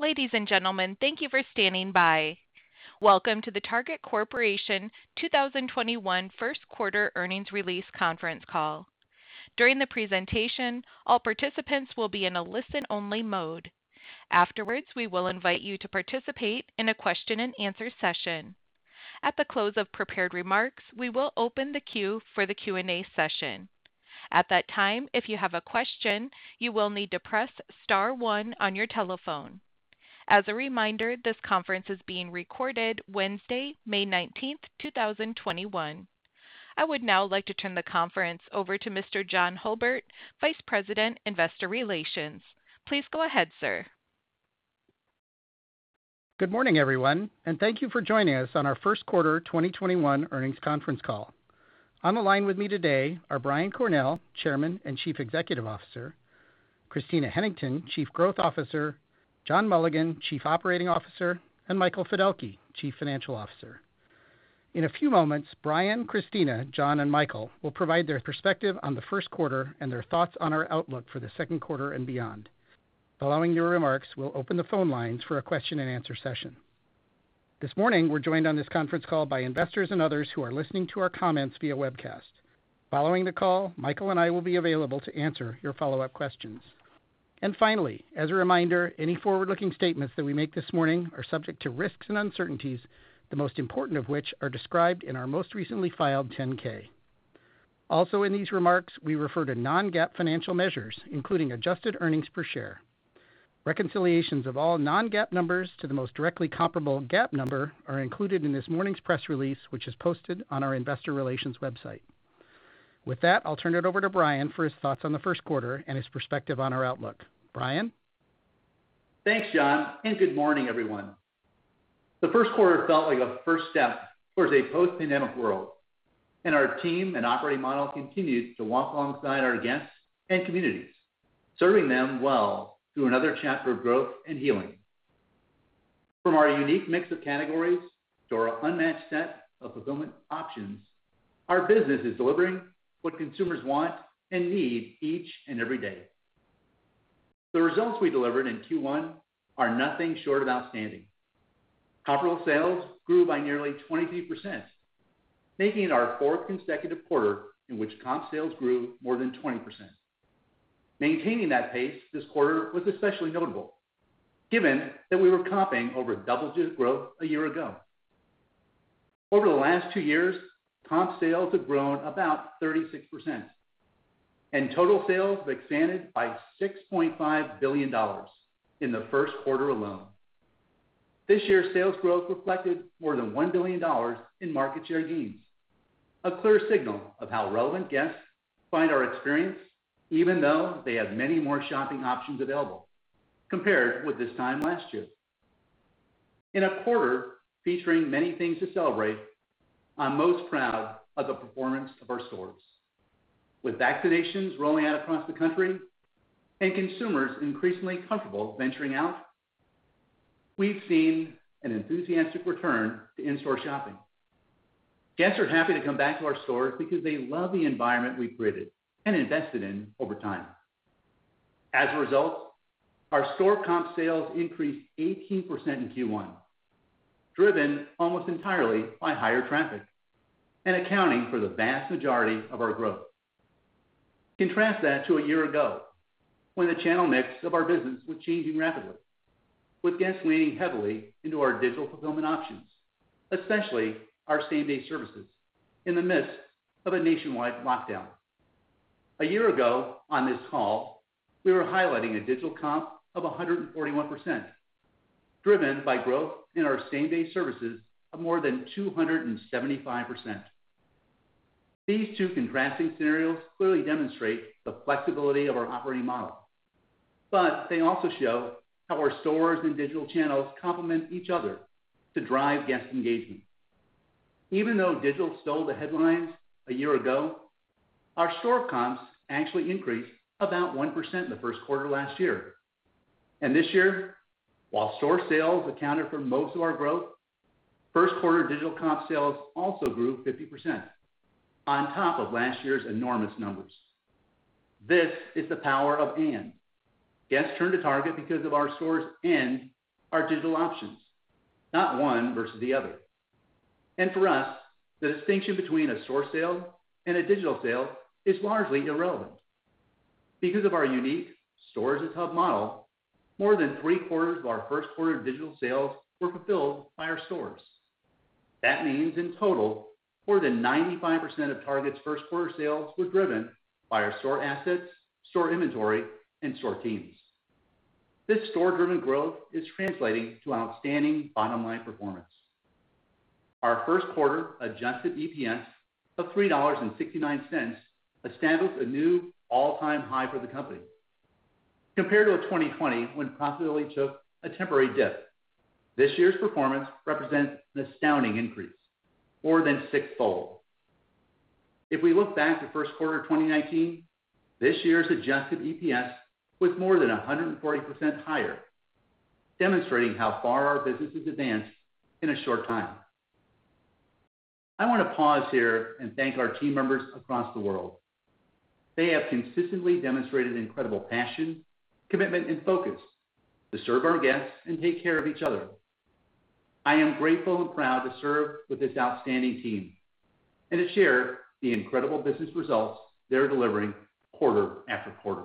Ladies and gentlemen, thank you for standing by. Welcome to the Target Corporation's 2021 First Quarter Earnings Release Conference Call. During the presentation, all participants will be in a listen-only mode. Afterwards, we will invite you to participate in a question-and-answer session. At the close of prepared remarks, we will open the queue for the Q&A session. At that time, if you have a question, you will need to press star one on your telephone. As a reminder, this conference is being recorded Wednesday, May 19th, 2021. I would now like to turn the conference over to Mr. John Hulbert, Vice President, Investor Relations. Please go ahead, sir. Good morning, everyone, and thank you for joining us on our First Quarter 2021 Earnings Conference Call. On the line with me today are Brian Cornell, Chairman and Chief Executive Officer, Christina Hennington, Chief Growth Officer, John Mulligan, Chief Operating Officer, and Michael Fiddelke, Chief Financial Officer. In a few moments, Brian, Christina, John, and Michael will provide their perspective on the first quarter and their thoughts on our outlook for the second quarter and beyond. Following your remarks, we'll open the phone lines for a question-and-answer session. This morning, we're joined on this conference call by investors and others who are listening to our comments via webcast. Following the call, Michael and I will be available to answer your follow-up questions. Finally, as a reminder, any forward-looking statements that we make this morning are subject to risks and uncertainties, the most important of which are described in our most recently filed 10-K. In these remarks, we refer to non-GAAP financial measures, including adjusted earnings per share. Reconciliations of all non-GAAP numbers to the most directly comparable GAAP number are included in this morning's press release, which is posted on our investor relations website. With that, I'll turn it over to Brian for his thoughts on the first quarter and his perspective on our outlook. Brian? Thanks, John, good morning, everyone. The first quarter felt like a first step towards a post-pandemic world, and our team and operating model continues to walk alongside our guests and communities, serving them well through another chapter of growth and healing. From our unique mix of categories to our unmatched set of fulfillment options, our business is delivering what consumers want and need each and every day. The results we delivered in Q1 are nothing short of outstanding. Comparable sales grew by nearly 23%, making our fourth consecutive quarter in which comp sales grew more than 20%. Maintaining that pace this quarter was especially notable, given that we were comping over double-digit growth a year ago. Over the last two years, comp sales have grown about 36%, and total sales expanded by $6.5 billion in the first quarter alone. This year's sales growth reflected more than $1 billion in market share gains, a clear signal of how relevant guests find our experience, even though they have many more shopping options available compared with this time last year. In a quarter featuring many things to celebrate, I'm most proud of the performance of our stores. With vaccinations rolling out across the country and consumers increasingly comfortable venturing out, we've seen an enthusiastic return to in-store shopping. Guests are happy to come back to our stores because they love the environment we've created and invested in over time. As a result, our store comp sales increased 18% in Q1, driven almost entirely by higher traffic and accounting for the vast majority of our growth. Contrast that to a year ago when the channel mix of our business was changing rapidly, with guests leaning heavily into our digital fulfillment options, especially our same-day services in the midst of a nationwide lockdown. A year ago on this call, we were highlighting a digital comp of 141%, driven by growth in our same-day services of more than 275%. These two contrasting scenarios clearly demonstrate the flexibility of our operating model. They also show how our stores and digital channels complement each other to drive guest engagement. Even though digital stole the headlines a year ago, our store comps actually increased about 1% in the first quarter last year. This year, while store sales accounted for most of our growth, first quarter digital comp sales also grew 50%, on top of last year's enormous numbers. This is the power of and. Guests turn to Target because of our stores and our digital options, not one versus the other. For us, the distinction between a store sale and a digital sale is largely irrelevant. Because of our unique stores as hub model, more than three-quarters of our first quarter digital sales were fulfilled by our stores. That means, in total, more than 95% of Target's first quarter sales were driven by our store assets, store inventory, and store teams. This store-driven growth is translating to outstanding bottom line performance. Our first quarter adjusted EPS of $3.69 stands as a new all-time high for the company. Compared to 2020, when profitability took a temporary dip, this year's performance represents an astounding increase, more than sixfold. If we look back to first quarter 2019, this year's adjusted EPS was more than 140% higher, demonstrating how far our business has advanced in a short time. I want to pause here and thank our team members across the world. They have consistently demonstrated incredible passion, commitment, and focus to serve our guests and take care of each other. I am grateful and proud to serve with this outstanding team and to share the incredible business results they're delivering quarter after quarter.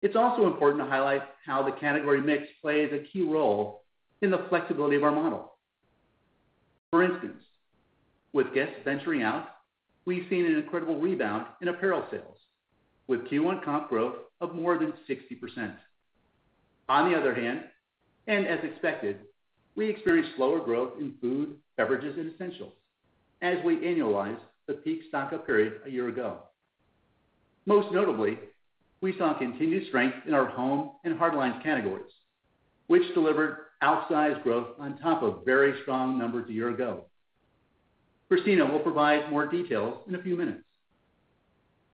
It's also important to highlight how the category mix plays a key role in the flexibility of our model. For instance, with guests venturing out, we've seen an incredible rebound in apparel sales, with Q1 comp growth of more than 60%. On the other hand, and as expected, we experienced slower growth in food, beverages, and essentials as we annualize the peak stock-up period a year ago. Most notably, we saw continued strength in our home and hardline categories, which delivered outsized growth on top of very strong numbers a year ago. Christina will provide more details in a few minutes.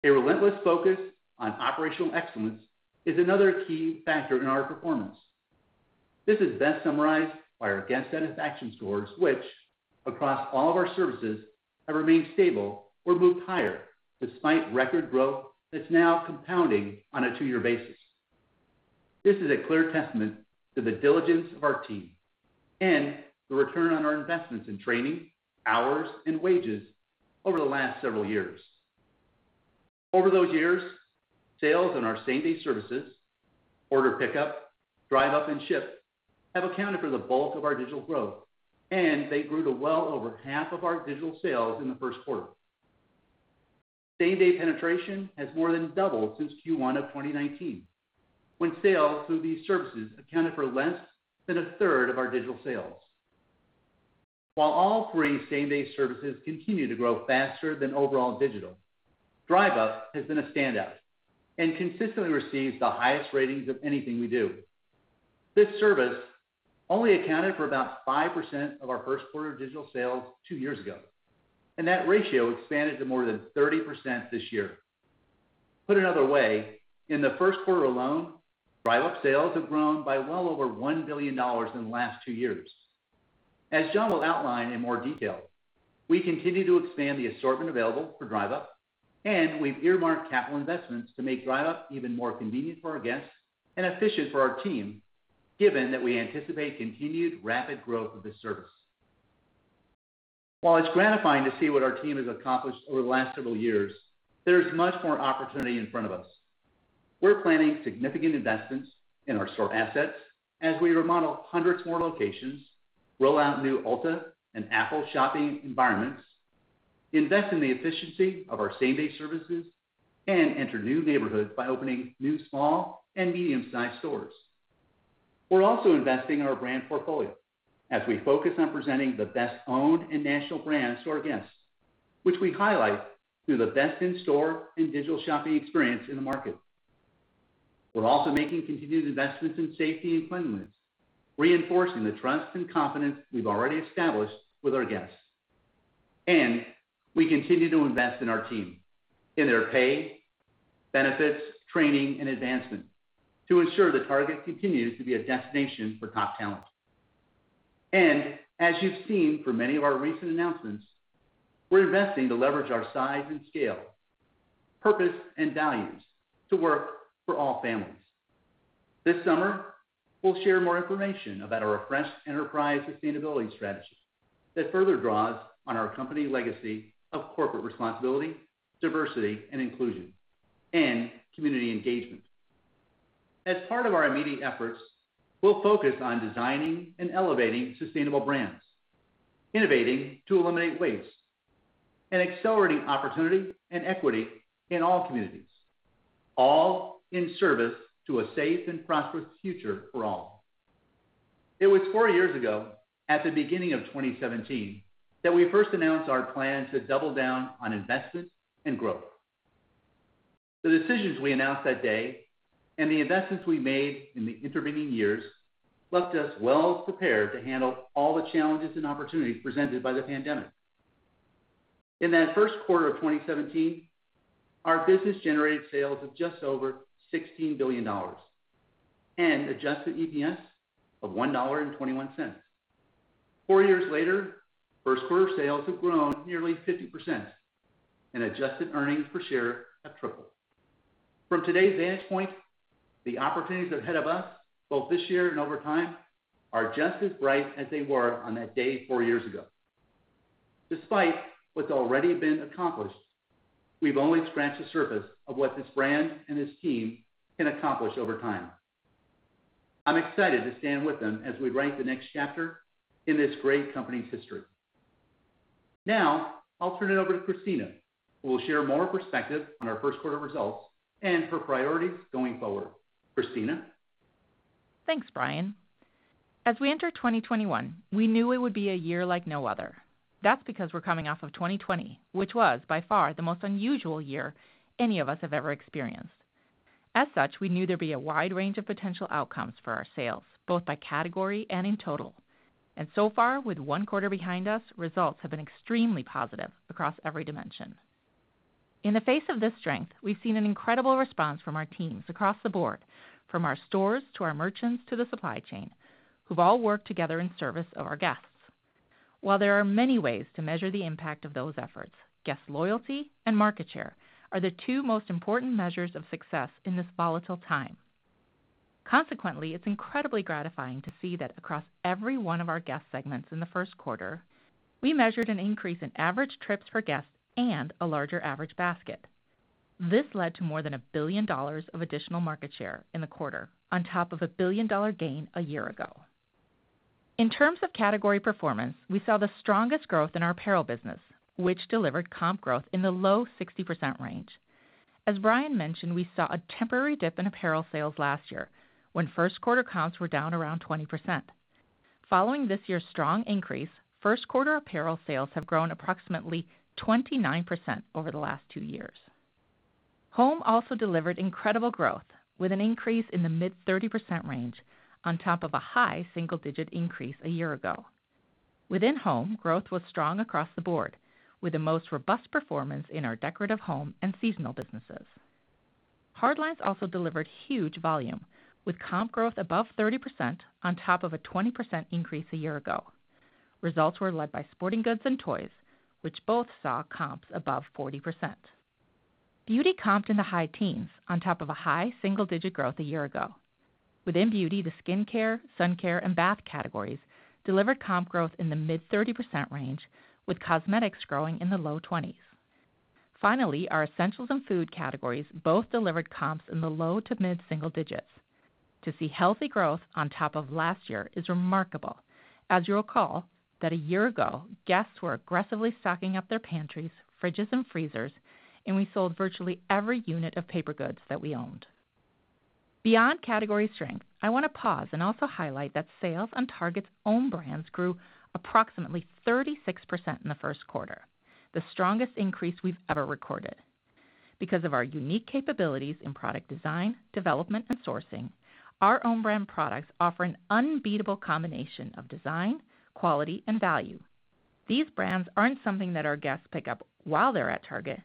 A relentless focus on operational excellence is another key factor in our performance. This is best summarized by our guest satisfaction scores, which across all of our services have remained stable or moved higher despite record growth that's now compounding on a two-year basis. This is a clear testament to the diligence of our team and the return on our investments in training, hours, and wages over the last several years. Over those years, sales in our same-day services, Order Pickup, Drive Up, and Shipt have accounted for the bulk of our digital growth, and they grew to well over half of our digital sales in the first quarter. Same-day penetration has more than doubled since Q1 of 2019, when sales through these services accounted for less than a 1/3 of our digital sales. While all three same-day services continue to grow faster than overall digital, Drive Up has been a standout and consistently receives the highest ratings of anything we do. This service only accounted for about 5% of our first quarter digital sales two years ago, and that ratio expanded to more than 30% this year. Put another way, in the first quarter alone, Drive Up sales have grown by well over $1 billion in the last two years. As John will outline in more detail, we continue to expand the assortment available for Drive Up, and we've earmarked capital investments to make Drive Up even more convenient for our guests and efficient for our team, given that we anticipate continued rapid growth of this service. While it's gratifying to see what our team has accomplished over the last several years, there's much more opportunity in front of us. We're planning significant investments in our store assets as we remodel hundreds more locations, roll out new Ulta and Apple shopping environments, invest in the efficiency of our same-day services, and enter new neighborhoods by opening new small and medium-sized stores. We're also investing in our brand portfolio as we focus on presenting the best owned and national brands to our guests, which we highlight through the best in-store and digital shopping experience in the market. We're also making continued investments in safety and cleanliness, reinforcing the trust and confidence we've already established with our guests. We continue to invest in our team, in their pay, benefits, training, and advancement to ensure that Target continues to be a destination for top talent. As you've seen from many of our recent announcements, we're investing to leverage our size and scale, purpose, and values to work for all families. This summer, we'll share more information about our refreshed enterprise sustainability strategy that further draws on our company legacy of corporate responsibility, diversity and inclusion, and community engagement. As part of our immediate efforts, we'll focus on designing and elevating sustainable brands, innovating to eliminate waste, and accelerating opportunity and equity in all communities, all in service to a safe and prosperous future for all. It was four years ago, at the beginning of 2017, that we first announced our plans to double down on investments and growth. The decisions we announced that day and the investments we made in the intervening years left us well prepared to handle all the challenges and opportunities presented by the pandemic. In that first quarter of 2017, our business generated sales of just over $16 billion and adjusted EPS of $1.21. Four years later, first quarter sales have grown nearly 50%, and adjusted earnings per share have tripled. From today's vantage point, the opportunities ahead of us, both this year and over time, are just as bright as they were on that day four years ago. Despite what's already been accomplished, we've only scratched the surface of what this brand and this team can accomplish over time. I'm excited to stand with them as we write the next chapter in this great company's history. Now, I'll turn it over to Christina, who will share more perspective on our first quarter results and her priorities going forward. Christina? Thanks, Brian. As we entered 2021, we knew it would be a year like no other. That's because we're coming off of 2020, which was by far the most unusual year any of us have ever experienced. As such, we knew there'd be a wide range of potential outcomes for our sales, both by category and in total. So far, with one quarter behind us, results have been extremely positive across every dimension. In the face of this strength, we've seen an incredible response from our teams across the board, from our stores to our merchants to the supply chain, who've all worked together in service of our guests. While there are many ways to measure the impact of those efforts, guest loyalty and market share are the two most important measures of success in this volatile time. It's incredibly gratifying to see that across every one of our guest segments in the first quarter, we measured an increase in average trips per guest and a larger average basket. This led to more than $1 billion of additional market share in the quarter, on top of a billion-dollar gain a year ago. In terms of category performance, we saw the strongest growth in our apparel business, which delivered comp growth in the low 60% range. As Brian mentioned, we saw a temporary dip in apparel sales last year when first-quarter comps were down around 20%. Following this year's strong increase, first-quarter apparel sales have grown approximately 29% over the last two years. Home also delivered incredible growth with an increase in the mid-30% range on top of a high single-digit increase a year ago. Within home, growth was strong across the board, with the most robust performance in our decorative home and seasonal businesses. Hard lines also delivered huge volume, with comp growth above 30% on top of a 20% increase a year ago. Results were led by sporting goods and toys, which both saw comps above 40%. Beauty comped in the high teens on top of a high single-digit growth a year ago. Within beauty, the skincare, sun care, and bath categories delivered comp growth in the mid-30% range, with cosmetics growing in the low 20s. Finally, our essentials and food categories both delivered comps in the low to mid-single digits. To see healthy growth on top of last year is remarkable, as you'll recall that a year ago, guests were aggressively stocking up their pantries, fridges, and freezers, and we sold virtually every unit of paper goods that we owned. Beyond category strength, I want to pause and also highlight that sales on Target's owned brands grew approximately 36% in the first quarter, the strongest increase we've ever recorded. Because of our unique capabilities in product design, development, and sourcing, our owned brand products offer an unbeatable combination of design, quality, and value. These brands aren't something that our guests pick up while they're at Target.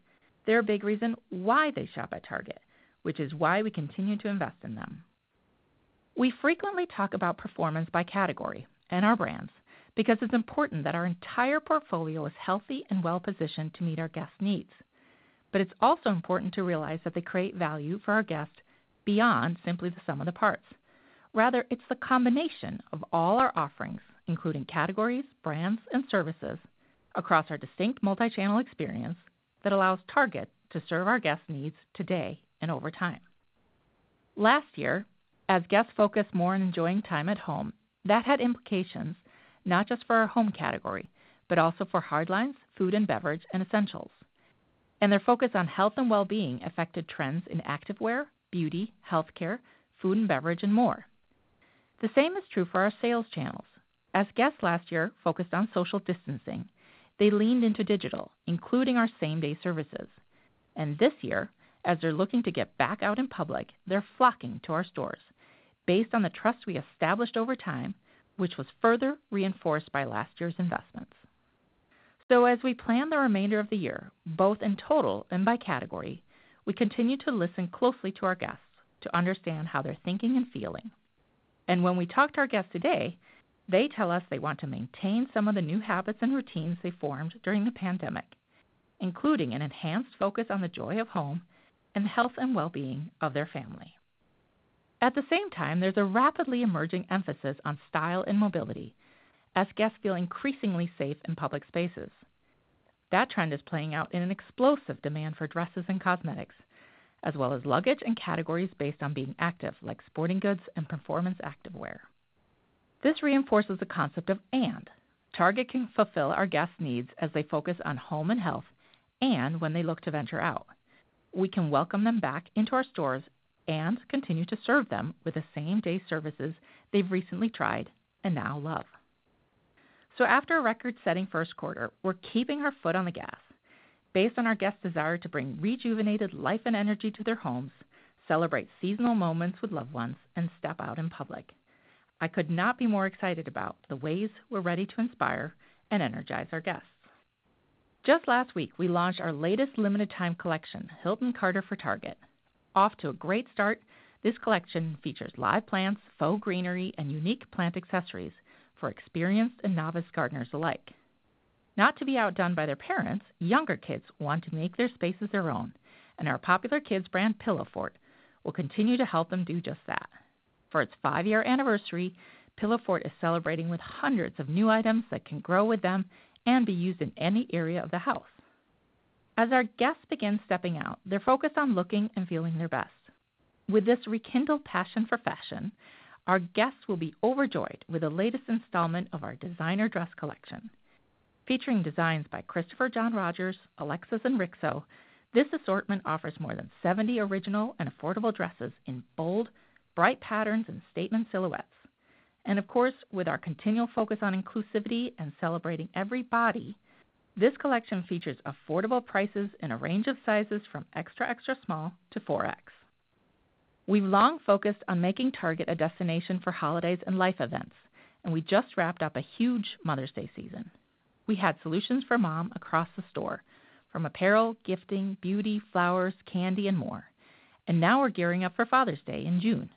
They're a big reason why they shop at Target, which is why we continue to invest in them. We frequently talk about performance by category and our brands because it's important that our entire portfolio is healthy and well-positioned to meet our guests' needs. It's also important to realize that they create value for our guests beyond simply the sum of the parts. Rather, it's the combination of all our offerings, including categories, brands, and services across our distinct multi-channel experience that allows Target to serve our guests' needs today and over time. Last year, as guests focused more on enjoying time at home, that had implications not just for our home category, but also for hard lines, food and beverage, and essentials. Their focus on health and well-being affected trends in activewear, beauty, healthcare, food and beverage, and more. The same is true for our sales channels. As guests last year focused on social distancing, they leaned into digital, including our same-day services. This year, as they're looking to get back out in public, they're flocking to our stores based on the trust we established over time, which was further reinforced by last year's investments. As we plan the remainder of the year, both in total and by category, we continue to listen closely to our guests to understand how they're thinking and feeling. When we talk to our guests today, they tell us they want to maintain some of the new habits and routines they formed during the pandemic, including an enhanced focus on the joy of home and the health and well-being of their family. At the same time, there's a rapidly emerging emphasis on style and mobility as guests feel increasingly safe in public spaces. That trend is playing out in an explosive demand for dresses and cosmetics, as well as luggage and categories based on being active, like sporting goods and performance activewear. This reinforces the concept of "and." Target can fulfill our guests' needs as they focus on home and health and when they look to venture out. We can welcome them back into our stores and continue to serve them with the same-day services they've recently tried and now love. After a record-setting first quarter, we're keeping our foot on the gas based on our guests' desire to bring rejuvenated life and energy to their homes, celebrate seasonal moments with loved ones, and step out in public. I could not be more excited about the ways we're ready to inspire and energize our guests. Just last week, we launched our latest limited-time collection, Hilton Carter for Target. Off to a great start, this collection features live plants, faux greenery, and unique plant accessories for experienced and novice gardeners alike. Not to be outdone by their parents, younger kids want to make their spaces their own, and our popular kids brand, Pillowfort, will continue to help them do just that. For its five-year anniversary, Pillowfort is celebrating with hundreds of new items that can grow with them and be used in any area of the house. This rekindled passion for fashion, our guests will be overjoyed with the latest installment of our designer dress collection. Featuring designs by Christopher John Rogers, ALEXIS, and RIXO, this assortment offers more than 70 original and affordable dresses in bold, bright patterns, and statement silhouettes. Of course, with our continual focus on inclusivity and celebrating every body, this collection features affordable prices in a range of sizes from extra extra small to 4X. We've long focused on making Target a destination for holidays and life events, and we just wrapped up a huge Mother's Day season. We had solutions for mom across the store, from apparel, gifting, beauty, flowers, candy, and more. Now we're gearing up for Father's Day in June.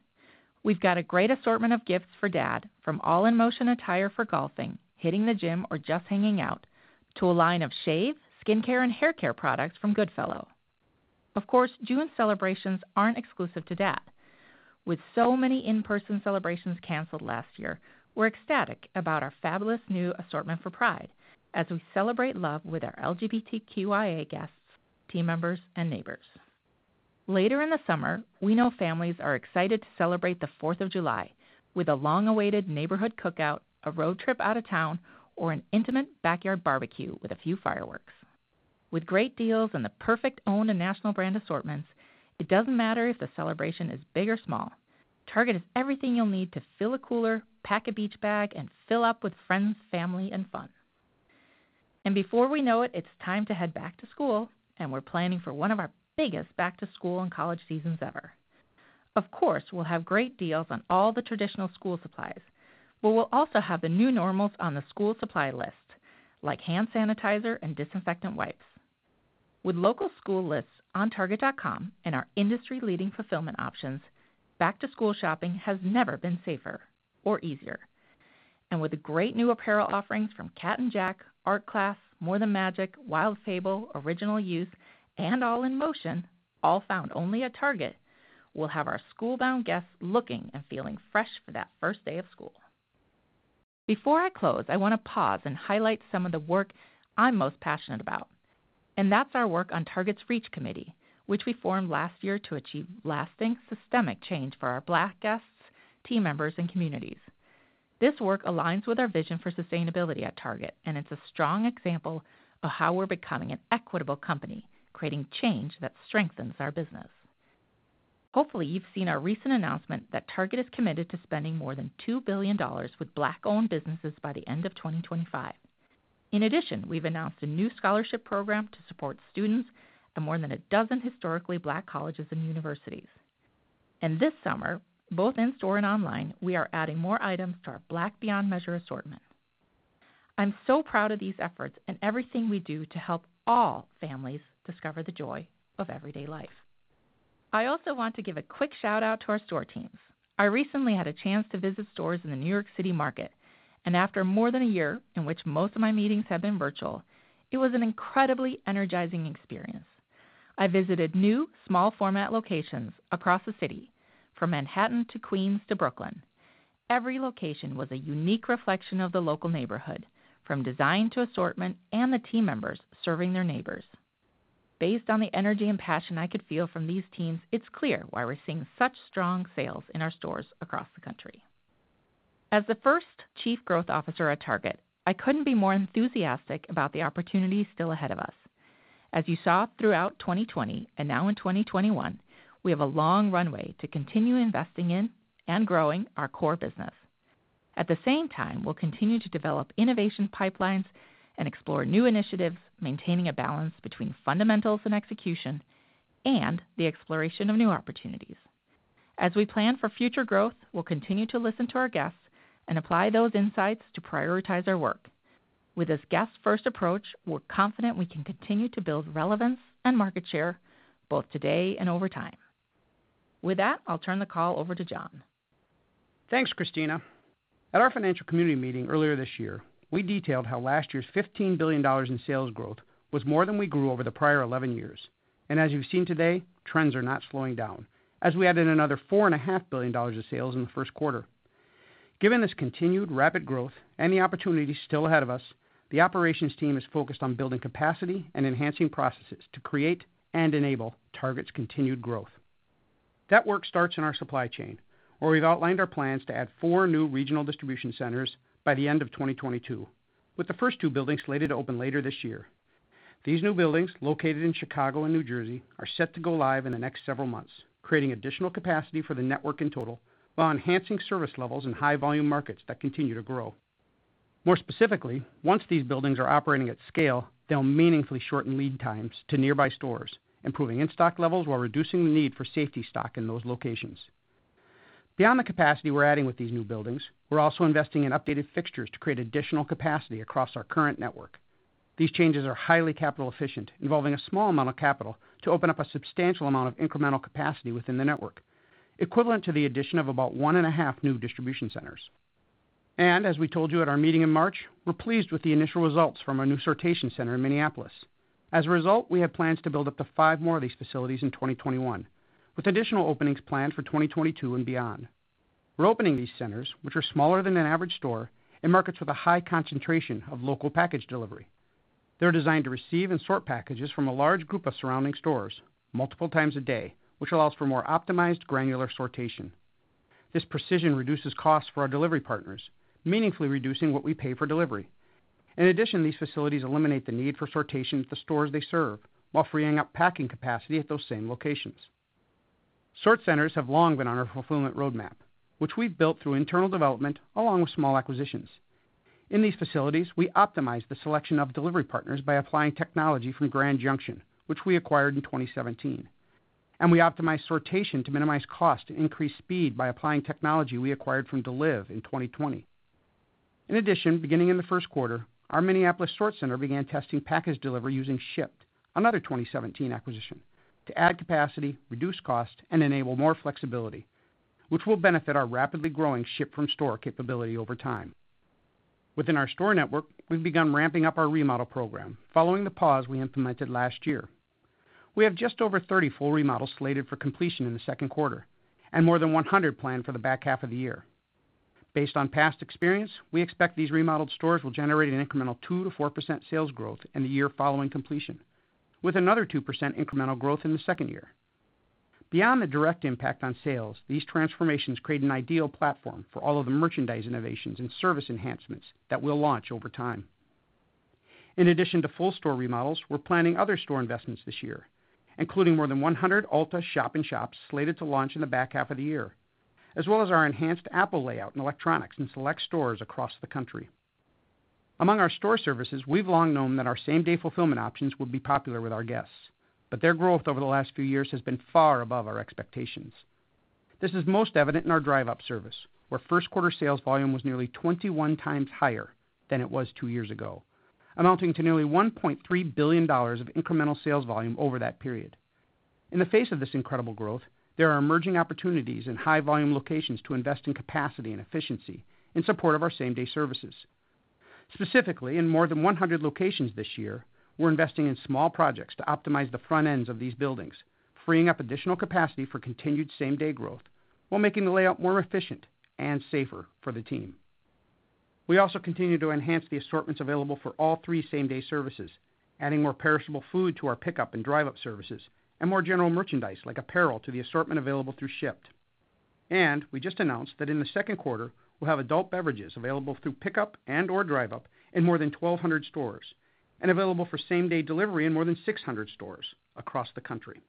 We've got a great assortment of gifts for dad, from All in Motion attire for golfing, hitting the gym, or just hanging out, to a line of shave, skincare, and haircare products from Goodfellow. Of course, June celebrations aren't exclusive to dad. With so many in-person celebrations canceled last year, we're ecstatic about our fabulous new assortment for Pride as we celebrate love with our LGBTQIA guests, team members, and neighbors. Later in the summer, we know families are excited to celebrate the 4th of July with a long-awaited neighborhood cookout, a road trip out of town, or an intimate backyard barbecue with a few fireworks. With great deals and the perfect own and national brand assortments, it doesn't matter if the celebration is big or small, Target has everything you'll need to fill a cooler, pack a beach bag, and fill up with friends, family, and fun. Before we know it's time to head back to school, and we're planning for one of our biggest back-to-school and college seasons ever. Of course, we'll have great deals on all the traditional school supplies, but we'll also have the new normals on the school supply list, like hand sanitizer and disinfectant wipes. With local school lists on target.com and our industry-leading fulfillment options, back-to-school shopping has never been safer or easier. With great new apparel offerings from Cat & Jack, Art Class, More Than Magic, Wild Fable, Original Use, and All in Motion, all found only at Target, we'll have our school-bound guests looking and feeling fresh for that first day of school. Before I close, I want to pause and highlight some of the work I'm most passionate about, and that's our work on Target's REACH Committee, which we formed last year to achieve lasting, systemic change for our Black guests, team members, and communities. This work aligns with our vision for sustainability at Target, and it's a strong example of how we're becoming an equitable company, creating change that strengthens our business. Hopefully, you've seen our recent announcement that Target is committed to spending more than $2 billion with Black-owned businesses by the end of 2025. In addition, we've announced a new scholarship program to support students at more than a dozen historically Black colleges and universities. This summer, both in store and online, we are adding more items to our Black Beyond Measure assortment. I'm so proud of these efforts and everything we do to help all families discover the joy of everyday life. I also want to give a quick shout-out to our store teams. I recently had a chance to visit stores in the New York City market, and after more than a year in which most of my meetings have been virtual, it was an incredibly energizing experience. I visited new, small-format locations across the city, from Manhattan to Queens to Brooklyn. Every location was a unique reflection of the local neighborhood, from design to assortment and the team members serving their neighbors. Based on the energy and passion I could feel from these teams, it's clear why we're seeing such strong sales in our stores across the country. As the first Chief Growth Officer at Target, I couldn't be more enthusiastic about the opportunities still ahead of us. As you saw throughout 2020 and now in 2021, we have a long runway to continue investing in and growing our core business. At the same time, we'll continue to develop innovation pipelines and explore new initiatives, maintaining a balance between fundamentals and execution and the exploration of new opportunities. As we plan for future growth, we'll continue to listen to our guests and apply those insights to prioritize our work. With this guest-first approach, we're confident we can continue to build relevance and market share both today and over time. With that, I'll turn the call over to John. Thanks, Christina. At our financial community meeting earlier this year, we detailed how last year's $15 billion in sales growth was more than we grew over the prior 11 years. As you've seen today, trends are not slowing down, as we added another $4.5 billion of sales in the first quarter. Given this continued rapid growth and the opportunities still ahead of us, the operations team is focused on building capacity and enhancing processes to create and enable Target's continued growth. That work starts in our supply chain, where we've outlined our plans to add four new regional distribution centers by the end of 2022, with the first two buildings slated to open later this year. These new buildings, located in Chicago and New Jersey, are set to go live in the next several months, creating additional capacity for the network in total while enhancing service levels in high-volume markets that continue to grow. More specifically, once these buildings are operating at scale, they'll meaningfully shorten lead times to nearby stores, improving in-stock levels while reducing the need for safety stock in those locations. Beyond the capacity we're adding with these new buildings, we're also investing in updated fixtures to create additional capacity across our current network. These changes are highly capital efficient, involving a small amount of capital to open up a substantial amount of incremental capacity within the network, equivalent to the addition of about one and a half new distribution centers. As we told you at our meeting in March, we're pleased with the initial results from our new sortation center in Minneapolis. As a result, we have plans to build up to five more of these facilities in 2021, with additional openings planned for 2022 and beyond. We're opening these centers, which are smaller than an average store, in markets with a high concentration of local package delivery. They're designed to receive and sort packages from a large group of surrounding stores multiple times a day, which allows for more optimized, granular sortation. This precision reduces costs for our delivery partners, meaningfully reducing what we pay for delivery. In addition, these facilities eliminate the need for sortation at the stores they serve while freeing up packing capacity at those same locations. Sort centers have long been on our fulfillment roadmap, which we've built through internal development along with small acquisitions. In these facilities, we optimize the selection of delivery partners by applying technology from Grand Junction, which we acquired in 2017, and we optimize sortation to minimize cost and increase speed by applying technology we acquired from Deliv in 2020. In addition, beginning in the first quarter, our Minneapolis sort center began testing package delivery using Shipt, another 2017 acquisition, to add capacity, reduce cost, and enable more flexibility, which will benefit our rapidly growing ship-from-store capability over time. Within our store network, we've begun ramping up our remodel program following the pause we implemented last year. We have just over 30 full remodels slated for completion in the second quarter and more than 100 planned for the back half of the year. Based on past experience, we expect these remodeled stores will generate an incremental 2%-4% sales growth in the year following completion, with another 2% incremental growth in the second year. Beyond the direct impact on sales, these transformations create an ideal platform for all of the merchandise innovations and service enhancements that we'll launch over time. In addition to full store remodels, we're planning other store investments this year, including more than 100 Ulta shop in shops slated to launch in the back half of the year, as well as our enhanced Apple layout and electronics in select stores across the country. Among our store services, we've long known that our same-day fulfillment options would be popular with our guests, but their growth over the last few years has been far above our expectations. This is most evident in our Drive Up service, where first quarter sales volume was nearly 21 times higher than it was two years ago, amounting to nearly $1.3 billion of incremental sales volume over that period. In the face of this incredible growth, there are emerging opportunities in high-volume locations to invest in capacity and efficiency in support of our same-day services. Specifically, in more than 100 locations this year, we're investing in small projects to optimize the front ends of these buildings, freeing up additional capacity for continued same-day growth while making the layout more efficient and safer for the team. We also continue to enhance the assortments available for all three same-day services, adding more perishable food to our pickup and Drive Up services and more general merchandise, like apparel, to the assortment available through Shipt. We just announced that in the second quarter, we'll have adult beverages available through pickup and/or Drive Up in more than 1,200 stores, and available for same-day delivery in more than 600 stores across the country.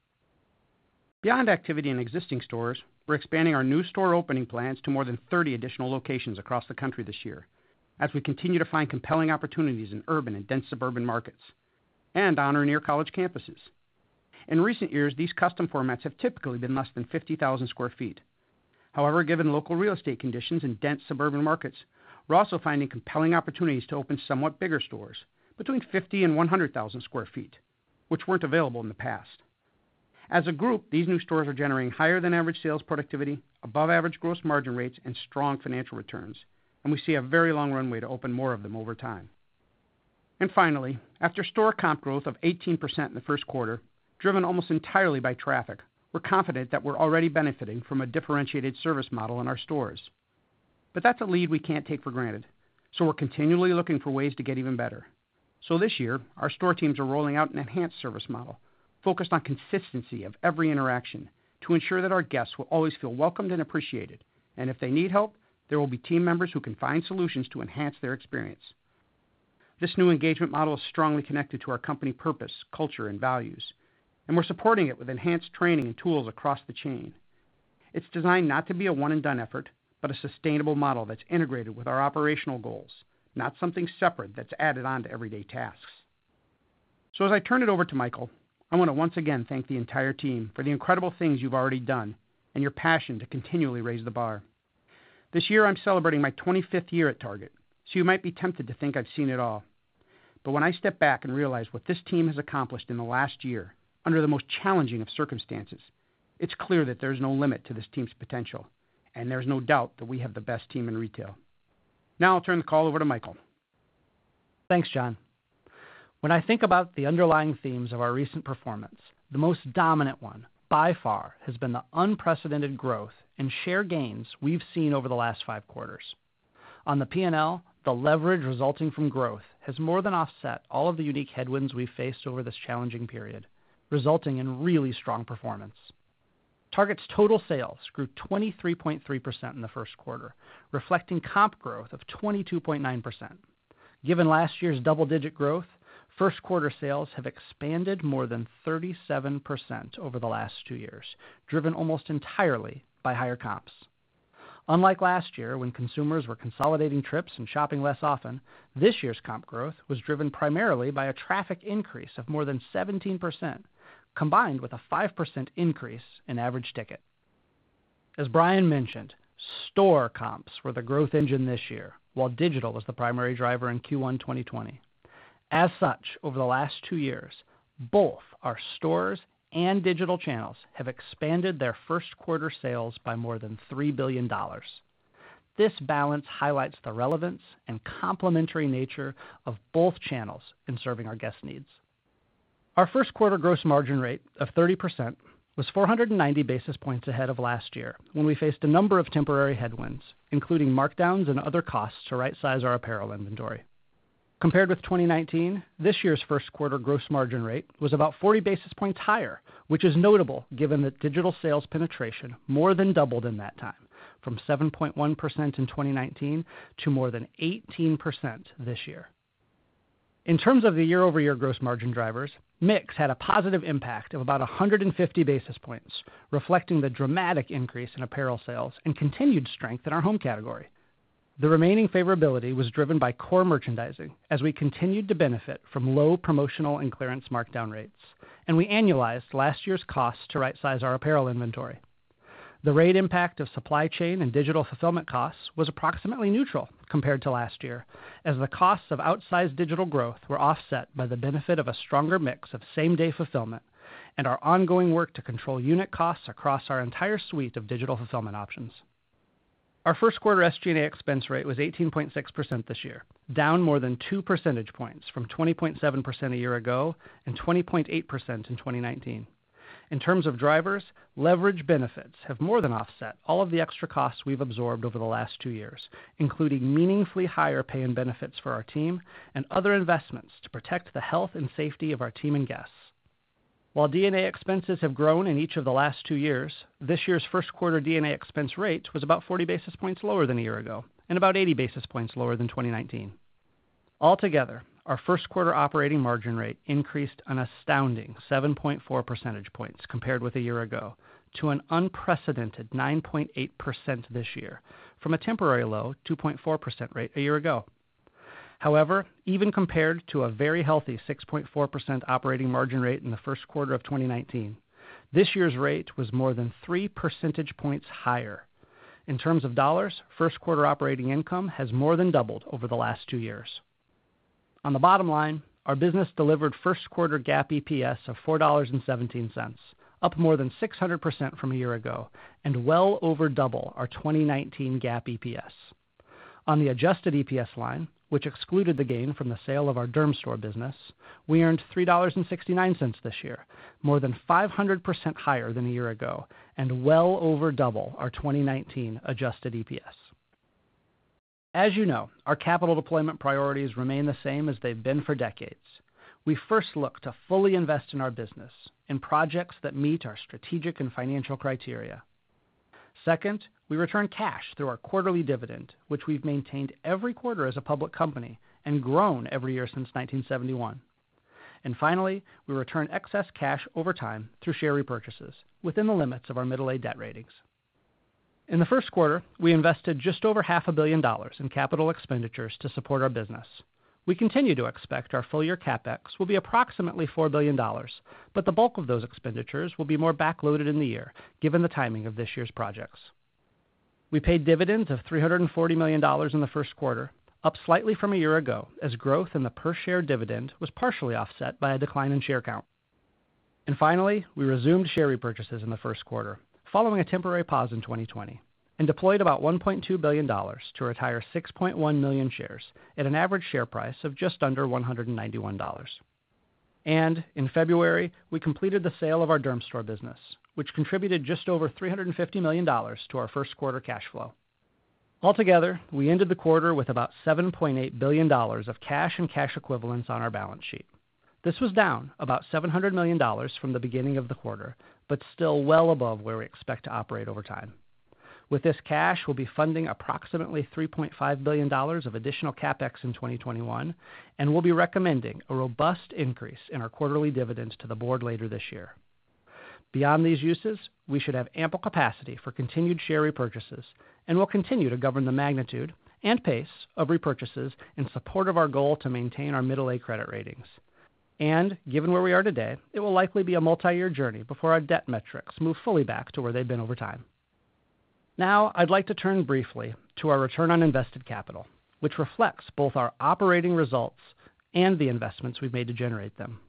Beyond activity in existing stores, we're expanding our new store opening plans to more than 30 additional locations across the country this year, as we continue to find compelling opportunities in urban and dense suburban markets and on or near college campuses. In recent years, these custom formats have typically been less than 50,000 sq ft. However, given local real estate conditions in dense suburban markets, we're also finding compelling opportunities to open somewhat bigger stores, between 50,000 and 100,000 sq ft, which weren't available in the past. As a group, these new stores are generating higher than average sales productivity, above average gross margin rates, and strong financial returns, and we see a very long runway to open more of them over time. Finally, after store comp growth of 18% in the first quarter, driven almost entirely by traffic, we're confident that we're already benefiting from a differentiated service model in our stores. That's a lead we can't take for granted, so we're continually looking for ways to get even better. This year, our store teams are rolling out an enhanced service model focused on consistency of every interaction to ensure that our guests will always feel welcomed and appreciated. If they need help, there will be team members who can find solutions to enhance their experience. This new engagement model is strongly connected to our company purpose, culture, and values, and we're supporting it with enhanced training and tools across the chain. It's designed not to be a one-and-done effort, but a sustainable model that's integrated with our operational goals, not something separate that's added on to everyday tasks. As I turn it over to Michael, I want to once again thank the entire team for the incredible things you've already done and your passion to continually raise the bar. This year, I'm celebrating my 25th year at Target, so you might be tempted to think I've seen it all. When I step back and realize what this team has accomplished in the last year under the most challenging of circumstances, it's clear that there's no limit to this team's potential, and there's no doubt that we have the best team in retail. Now I'll turn the call over to Michael. Thanks, John. When I think about the underlying themes of our recent performance, the most dominant one, by far, has been the unprecedented growth and share gains we've seen over the last five quarters. On the P&L, the leverage resulting from growth has more than offset all of the unique headwinds we've faced over this challenging period, resulting in really strong performance. Target's total sales grew 23.3% in the first quarter, reflecting comp growth of 22.9%. Given last year's double-digit growth, first quarter sales have expanded more than 37% over the last two years, driven almost entirely by higher comps. Unlike last year, when consumers were consolidating trips and shopping less often, this year's comp growth was driven primarily by a traffic increase of more than 17%, combined with a 5% increase in average ticket. As Brian mentioned, store comps were the growth engine this year, while digital was the primary driver in Q1 2020. As such, over the last two years, both our stores and digital channels have expanded their first quarter sales by more than $3 billion. This balance highlights the relevance and complementary nature of both channels in serving our guest needs. Our first quarter gross margin rate of 30% was 490 basis points ahead of last year, when we faced a number of temporary headwinds, including markdowns and other costs to rightsize our apparel inventory. Compared with 2019, this year's first quarter gross margin rate was about 40 basis points higher, which is notable given that digital sales penetration more than doubled in that time, from 7.1% in 2019 to more than 18% this year. In terms of the year-over-year gross margin drivers, mix had a positive impact of about 150 basis points, reflecting the dramatic increase in apparel sales and continued strength in our home category. The remaining favorability was driven by core merchandising as we continued to benefit from low promotional and clearance markdown rates, and we annualized last year's cost to right-size our apparel inventory. The rate impact of supply chain and digital fulfillment costs was approximately neutral compared to last year, as the costs of outsized digital growth were offset by the benefit of a stronger mix of same-day fulfillment and our ongoing work to control unit costs across our entire suite of digital fulfillment options. Our first quarter SG&A expense rate was 18.6% this year, down more than 2 percentage points from 20.7% a year ago and 20.8% in 2019. In terms of drivers, leverage benefits have more than offset all of the extra costs we've absorbed over the last two years, including meaningfully higher pay and benefits for our team and other investments to protect the health and safety of our team and guests. While D&A expenses have grown in each of the last two years, this year's first quarter D&A expense rate was about 40 basis points lower than a year ago and about 80 basis points lower than 2019. Altogether, our first quarter operating margin rate increased an astounding 7.4 percentage points compared with a year ago to an unprecedented 9.8% this year from a temporary low 2.4% rate a year ago. However, even compared to a very healthy 6.4% operating margin rate in the first quarter of 2019, this year's rate was more than 3 percentage points higher. In terms of dollars, first quarter operating income has more than doubled over the last two years. On the bottom line, our business delivered first quarter GAAP EPS of $4.17, up more than 600% from a year ago and well over double our 2019 GAAP EPS. On the adjusted EPS line, which excluded the gain from the sale of our Dermstore business, we earned $3.69 this year, more than 500% higher than a year ago and well over double our 2019 adjusted EPS. As you know, our capital deployment priorities remain the same as they've been for decades. We first look to fully invest in our business in projects that meet our strategic and financial criteria. Second, we return cash through our quarterly dividend, which we've maintained every quarter as a public company and grown every year since 1971. Finally, we return excess cash over time through share repurchases within the limits of our middle-A debt ratings. In the first quarter, we invested just over $500,000 billion in capital expenditures to support our business. We continue to expect our full-year CapEx will be approximately $4 billion, The bulk of those expenditures will be more back-loaded in the year, given the timing of this year's projects. We paid dividends of $340 million in the first quarter, up slightly from a year ago as growth in the per-share dividend was partially offset by a decline in share count. Finally, we resumed share repurchases in the first quarter following a temporary pause in 2020 and deployed about $1.2 billion to retire 6.1 million shares at an average share price of just under $191. In February, we completed the sale of our Dermstore business, which contributed just over $350 million to our first quarter cash flow. Altogether, we ended the quarter with about $7.8 billion of cash and cash equivalents on our balance sheet. This was down about $700 million from the beginning of the quarter, but still well above where we expect to operate over time. With this cash, we'll be funding approximately $3.5 billion of additional CapEx in 2021, and we'll be recommending a robust increase in our quarterly dividends to the board later this year. Beyond these uses, we should have ample capacity for continued share repurchases, and we'll continue to govern the magnitude and pace of repurchases in support of our goal to maintain our middle-A credit ratings. Given where we are today, it will likely be a multi-year journey before our debt metrics move fully back to where they've been over time. Now, I'd like to turn briefly to our return on invested capital, which reflects both our operating results and the investments we've made to generate them.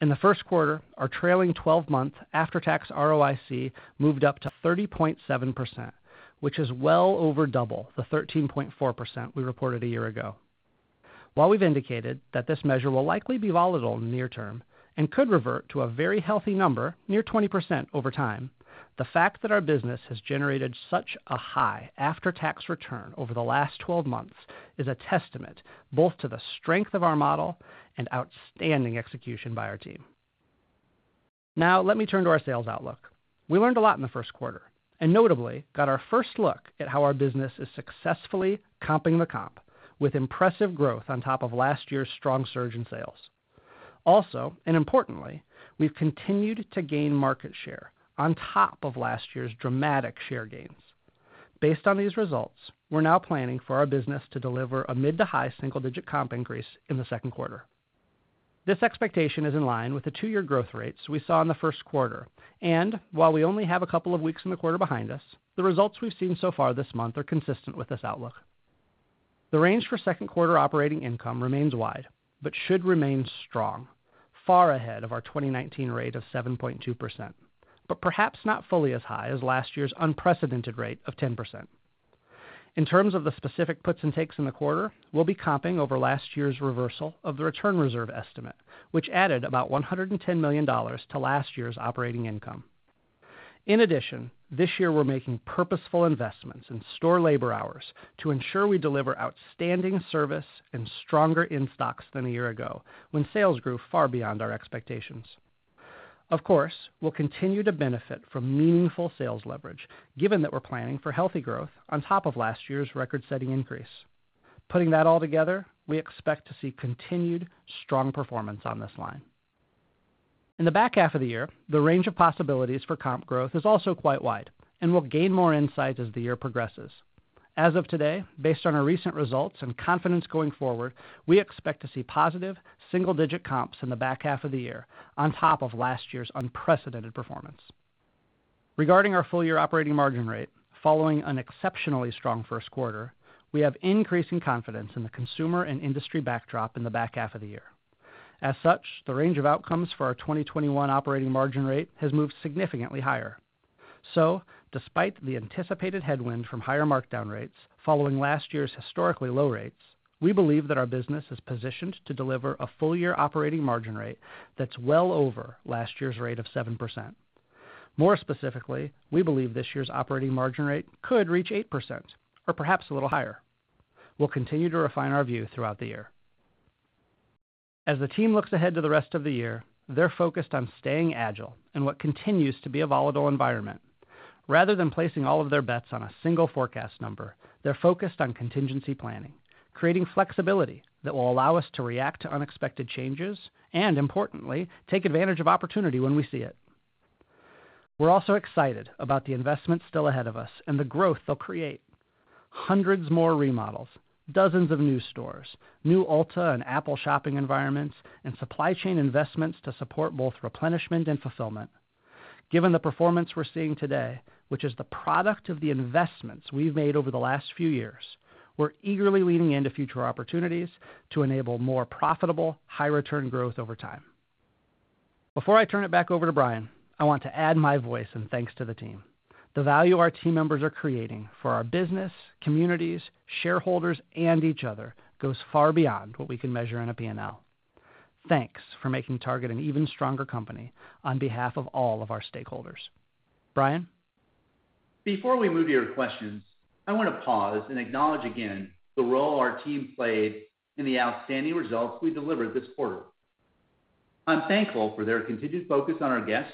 In the first quarter, our trailing 12-month after-tax ROIC moved up to 30.7%, which is well over double the 13.4% we reported a year ago. While we've indicated that this measure will likely be volatile in the near term and could revert to a very healthy number near 20% over time, the fact that our business has generated such a high after-tax return over the last 12 months is a testament both to the strength of our model and outstanding execution by our team. Let me turn to our sales outlook. We learned a lot in the first quarter and notably got our first look at how our business is successfully comping the comp with impressive growth on top of last year's strong surge in sales. Importantly, we've continued to gain market share on top of last year's dramatic share gains. Based on these results, we're now planning for our business to deliver a mid-to-high single-digit comp increase in the second quarter. This expectation is in line with the two-year growth rates we saw in the first quarter, and while we only have a couple of weeks in the quarter behind us, the results we've seen so far this month are consistent with this outlook. The range for second quarter operating income remains wide but should remain strong, far ahead of our 2019 rate of 7.2%, but perhaps not fully as high as last year's unprecedented rate of 10%. In terms of the specific puts and takes in the quarter, we'll be comping over last year's reversal of the return reserve estimate, which added about $110 million to last year's operating income. In addition, this year we're making purposeful investments in store labor hours to ensure we deliver outstanding service and stronger in-stocks than a year ago when sales grew far beyond our expectations. Of course, we'll continue to benefit from meaningful sales leverage given that we're planning for healthy growth on top of last year's record-setting increase. Putting that all together, we expect to see continued strong performance on this line. In the back half of the year, the range of possibilities for comp growth is also quite wide and will gain more insight as the year progresses. As of today, based on our recent results and confidence going forward, we expect to see positive single-digit comps in the back half of the year on top of last year's unprecedented performance. Regarding our full-year operating margin rate, following an exceptionally strong first quarter, we have increasing confidence in the consumer and industry backdrop in the back half of the year. The range of outcomes for our 2021 operating margin rate has moved significantly higher. Despite the anticipated headwind from higher markdown rates following last year's historically low rates, we believe that our business is positioned to deliver a full-year operating margin rate that's well over last year's rate of 7%. More specifically, we believe this year's operating margin rate could reach 8% or perhaps a little higher. We'll continue to refine our view throughout the year. The team looks ahead to the rest of the year, they're focused on staying agile in what continues to be a volatile environment. Rather than placing all of their bets on a single forecast number, they're focused on contingency planning, creating flexibility that will allow us to react to unexpected changes, and importantly, take advantage of opportunity when we see it. We're also excited about the investments still ahead of us and the growth they'll create. Hundreds more remodels, dozens of new stores, new Ulta and Apple shopping environments, and supply chain investments to support both replenishment and fulfillment. Given the performance we're seeing today, which is the product of the investments we've made over the last few years, we're eagerly leaning into future opportunities to enable more profitable, high-return growth over time. Before I turn it back over to Brian, I want to add my voice and thanks to the team. The value our team members are creating for our business, communities, shareholders, and each other goes far beyond what we can measure on a P&L. Thanks for making Target an even stronger company on behalf of all of our stakeholders. Brian? Before we move to your questions, I want to pause and acknowledge again the role our team played in the outstanding results we delivered this quarter. I'm thankful for their continued focus on our guests,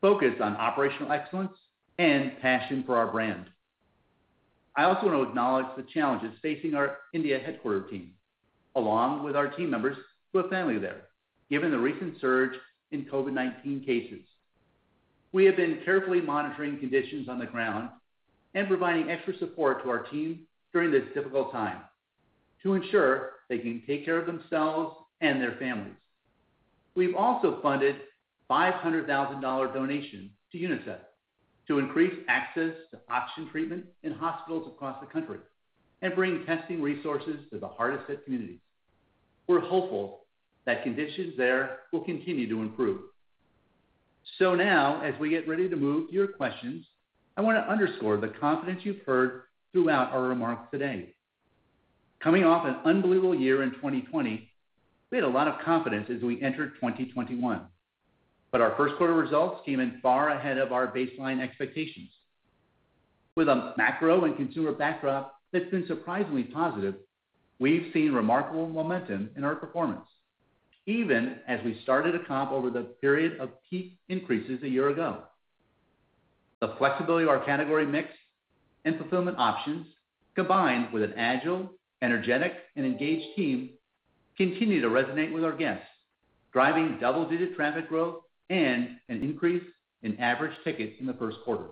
focus on operational excellence, and passion for our brand. I also want to acknowledge the challenges facing our India headquarter team, along with our team members who have family there, given the recent surge in COVID-19 cases. We have been carefully monitoring conditions on the ground and providing extra support to our team during this difficult time to ensure they can take care of themselves and their families. We've also funded a $500,000 donation to UNICEF to increase access to oxygen treatment in hospitals across the country and bring testing resources to the hardest hit communities. We're hopeful that conditions there will continue to improve. Now, as we get ready to move to your questions, I want to underscore the confidence you've heard throughout our remarks today. Coming off an unbelievable year in 2020, we had a lot of confidence as we entered 2021. Our first quarter results came in far ahead of our baseline expectations. With a macro and consumer backdrop that's been surprisingly positive, we've seen remarkable momentum in our performance, even as we started to comp over the period of peak increases a year ago. The flexibility of our category mix and fulfillment options, combined with an agile, energetic, and engaged team, continue to resonate with our guests, driving double-digit traffic growth and an increase in average tickets in the first quarter.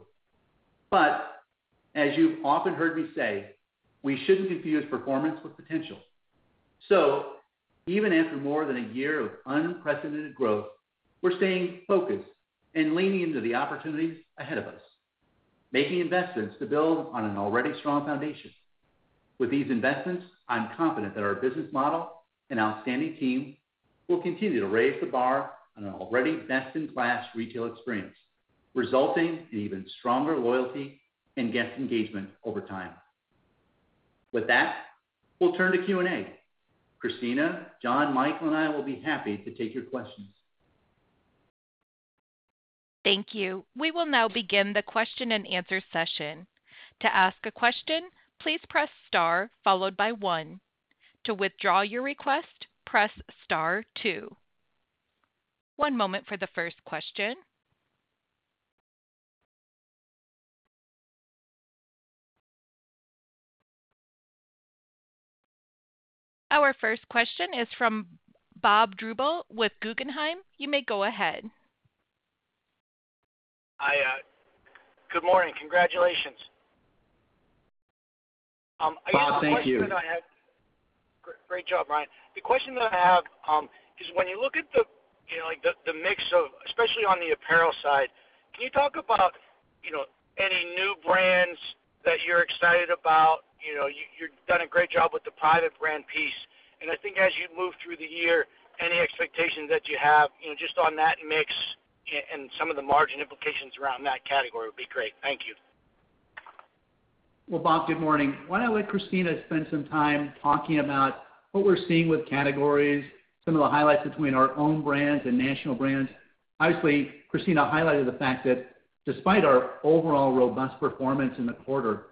As you've often heard me say, we shouldn't confuse performance with potential. Even after more than a year of unprecedented growth, we're staying focused and leaning into the opportunities ahead of us, making investments to build on an already strong foundation. With these investments, I'm confident that our business model and outstanding team will continue to raise the bar on an already best-in-class retail experience, resulting in even stronger loyalty and guest engagement over time. With that, we'll turn to Q&A. Christina, John, Michael, and I will be happy to take your questions. Thank you. We will now begin the question-and-answer session. To ask a question, please press star followed by one. To withdraw your request, press star two. One moment for the first question. Our first question is from Bob Drbul with Guggenheim. You may go ahead. Good morning. Congratulations. Bob, thank you. Great job, Brian. The question that I have is when you look at the mix, especially on the apparel side, can you talk about any new brands that you're excited about? You've done a great job with the private brand piece, and I think as you move through the year, any expectations that you have just on that mix and some of the margin implications around that category would be great. Thank you. Bob, good morning. Why don't I let Christina spend some time talking about what we're seeing with categories, some of the highlights between our owned brands and national brands. Obviously, Christina highlighted the fact that despite our overall robust performance in the quarter,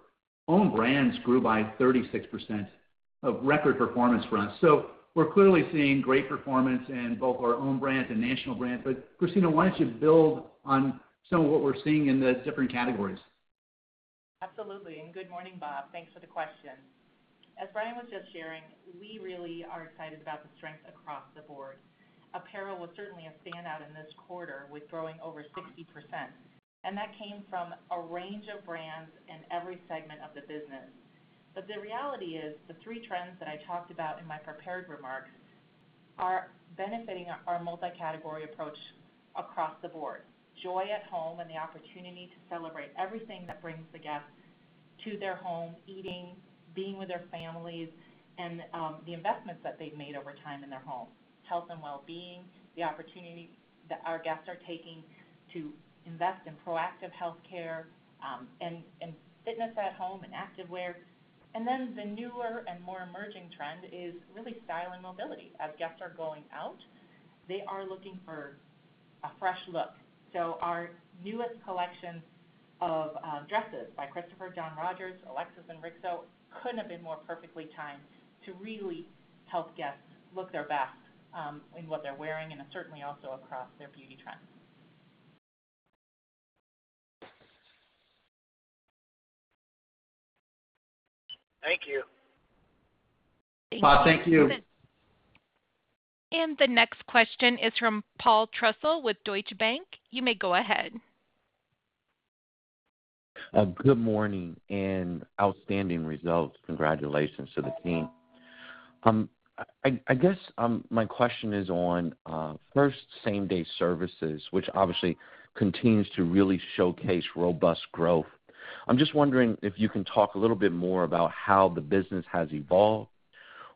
owned brands grew by 36%, a record performance for us. We're clearly seeing great performance in both our owned brands and national brands. Christina, why don't you build on some of what we're seeing in the different categories? Absolutely. Good morning, Bob. Thanks for the question. As Brian was just sharing, we really are excited about the strength across the board. Apparel was certainly a standout in this quarter with growing over 60%. That came from a range of brands in every segment of the business. The reality is, the three trends that I talked about in my prepared remarks are benefiting our multi-category approach across the board. Joy at home, the opportunity to celebrate everything that brings the guests to their home, eating, being with their families, and the investments that they've made over time in their home. Health and wellbeing, the opportunity that our guests are taking to invest in proactive healthcare and fitness at home and activewear. Then the newer and more emerging trend is really style and mobility. As guests are going out, they are looking for a fresh look. Our newest collection of dresses by Christopher John Rogers, ALEXIS and RIXO, couldn't have been more perfectly timed to really help guests look their best in what they're wearing, and certainly also across their beauty trends. Thank you. Bob, thank you. Thank you. The next question is from Paul Trussell with Deutsche Bank. You may go ahead. Good morning. Outstanding results. Congratulations to the team. I guess my question is on first same-day services, which obviously continues to really showcase robust growth. I'm just wondering if you can talk a little bit more about how the business has evolved,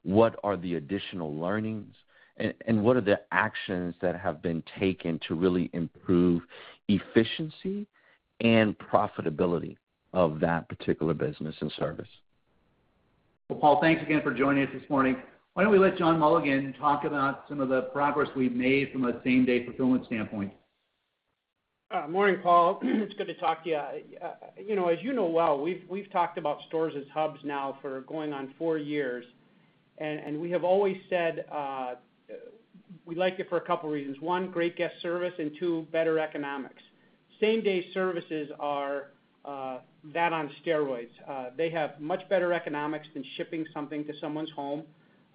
what are the additional learnings, and what are the actions that have been taken to really improve efficiency and profitability of that particular business and service? Well, Paul, thanks again for joining us this morning. Why don't we let John Mulligan talk about some of the progress we've made from a same-day fulfillment standpoint. Morning, Paul. It's good to talk to you. As you know well, we've talked about stores as hubs now for going on four years. We have always said we liked it for a couple reasons. One, great guest service. Two, better economics. Same-day services are that on steroids. They have much better economics than shipping something to someone's home.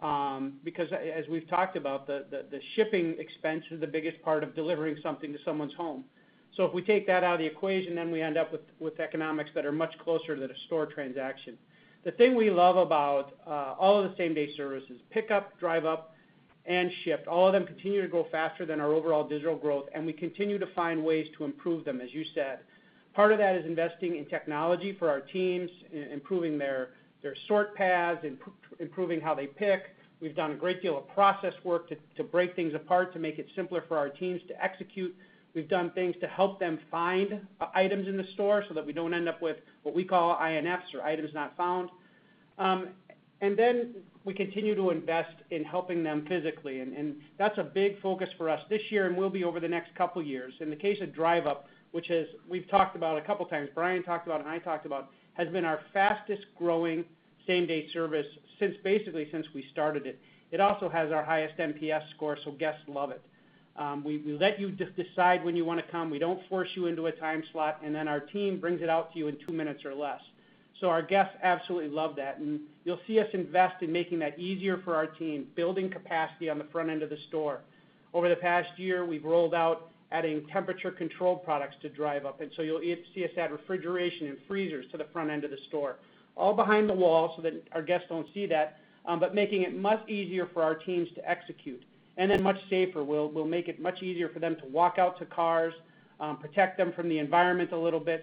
As we've talked about, the shipping expense is the biggest part of delivering something to someone's home. If we take that out of the equation, we end up with economics that are much closer to the store transaction. The thing we love about all of the same-day services, Pickup, Drive Up, and Shipt, all of them continue to grow faster than our overall digital growth. We continue to find ways to improve them, as you said. Part of that is investing in technology for our teams, improving their sort paths, improving how they pick. We've done a great deal of process work to break things apart, to make it simpler for our teams to execute. We've done things to help them find items in the store so that we don't end up with what we call INFs or items not found. We continue to invest in helping them physically, and that's a big focus for us this year and will be over the next couple years. In the case of Drive Up, which we've talked about a couple times, Brian talked about and I talked about, has been our fastest growing same-day service basically since we started it. It also has our highest NPS score, so guests love it. We let you just decide when you want to come. We don't force you into a time slot, and then our team brings it out to you in two minutes or less. Our guests absolutely love that, and you'll see us invest in making that easier for our team, building capacity on the front end of the store. Over the past year, we've rolled out adding temperature-controlled products to Drive Up, and so you'll see us add refrigeration and freezers to the front end of the store, all behind the wall so that our guests don't see that, but making it much easier for our teams to execute, much safer. We'll make it much easier for them to walk out to cars, protect them from the environment a little bit.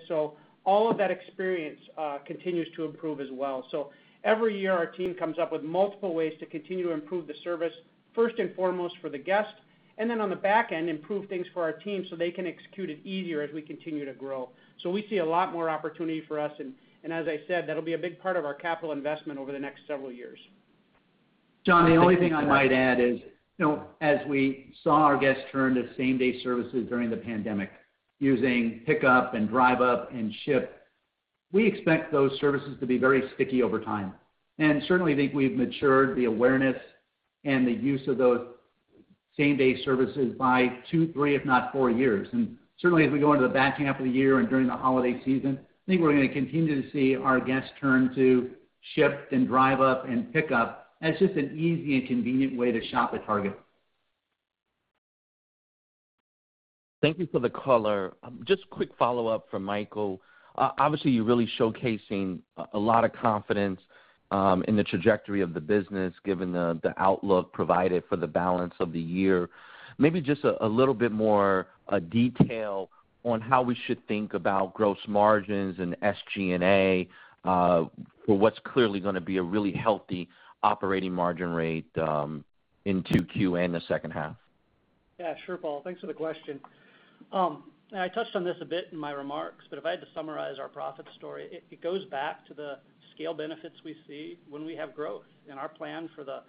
All of that experience continues to improve as well. Every year, our team comes up with multiple ways to continue to improve the service, first and foremost for the guest, and then on the back end, improve things for our team so they can execute it easier as we continue to grow. We see a lot more opportunity for us, and as I said, that'll be a big part of our capital investment over the next several years. John, the only thing I might add is, as we saw our guests turn to same-day services during the pandemic, using Pickup and Drive Up and Shipt, we expect those services to be very sticky over time. Certainly think we've matured the awareness and the use of those same-day services by two, three, if not four years. Certainly as we go into the back half of the year and during the holiday season, I think we're going to continue to see our guests turn to Shipt and Drive Up and Pickup as just an easy and convenient way to shop at Target. Thank you for the color. Just quick follow-up from Michael. Obviously, you're really showcasing a lot of confidence in the trajectory of the business given the outlook provided for the balance of the year. Maybe just a little bit more detail on how we should think about gross margins and SG&A for what's clearly going to be a really healthy operating margin rate in 2Q and the second half? Yeah, sure, Paul. Thanks for the question. I touched on this a bit in my remarks, but if I had to summarize our profit story, it goes back to the scale benefits we see when we have growth. Our plan for the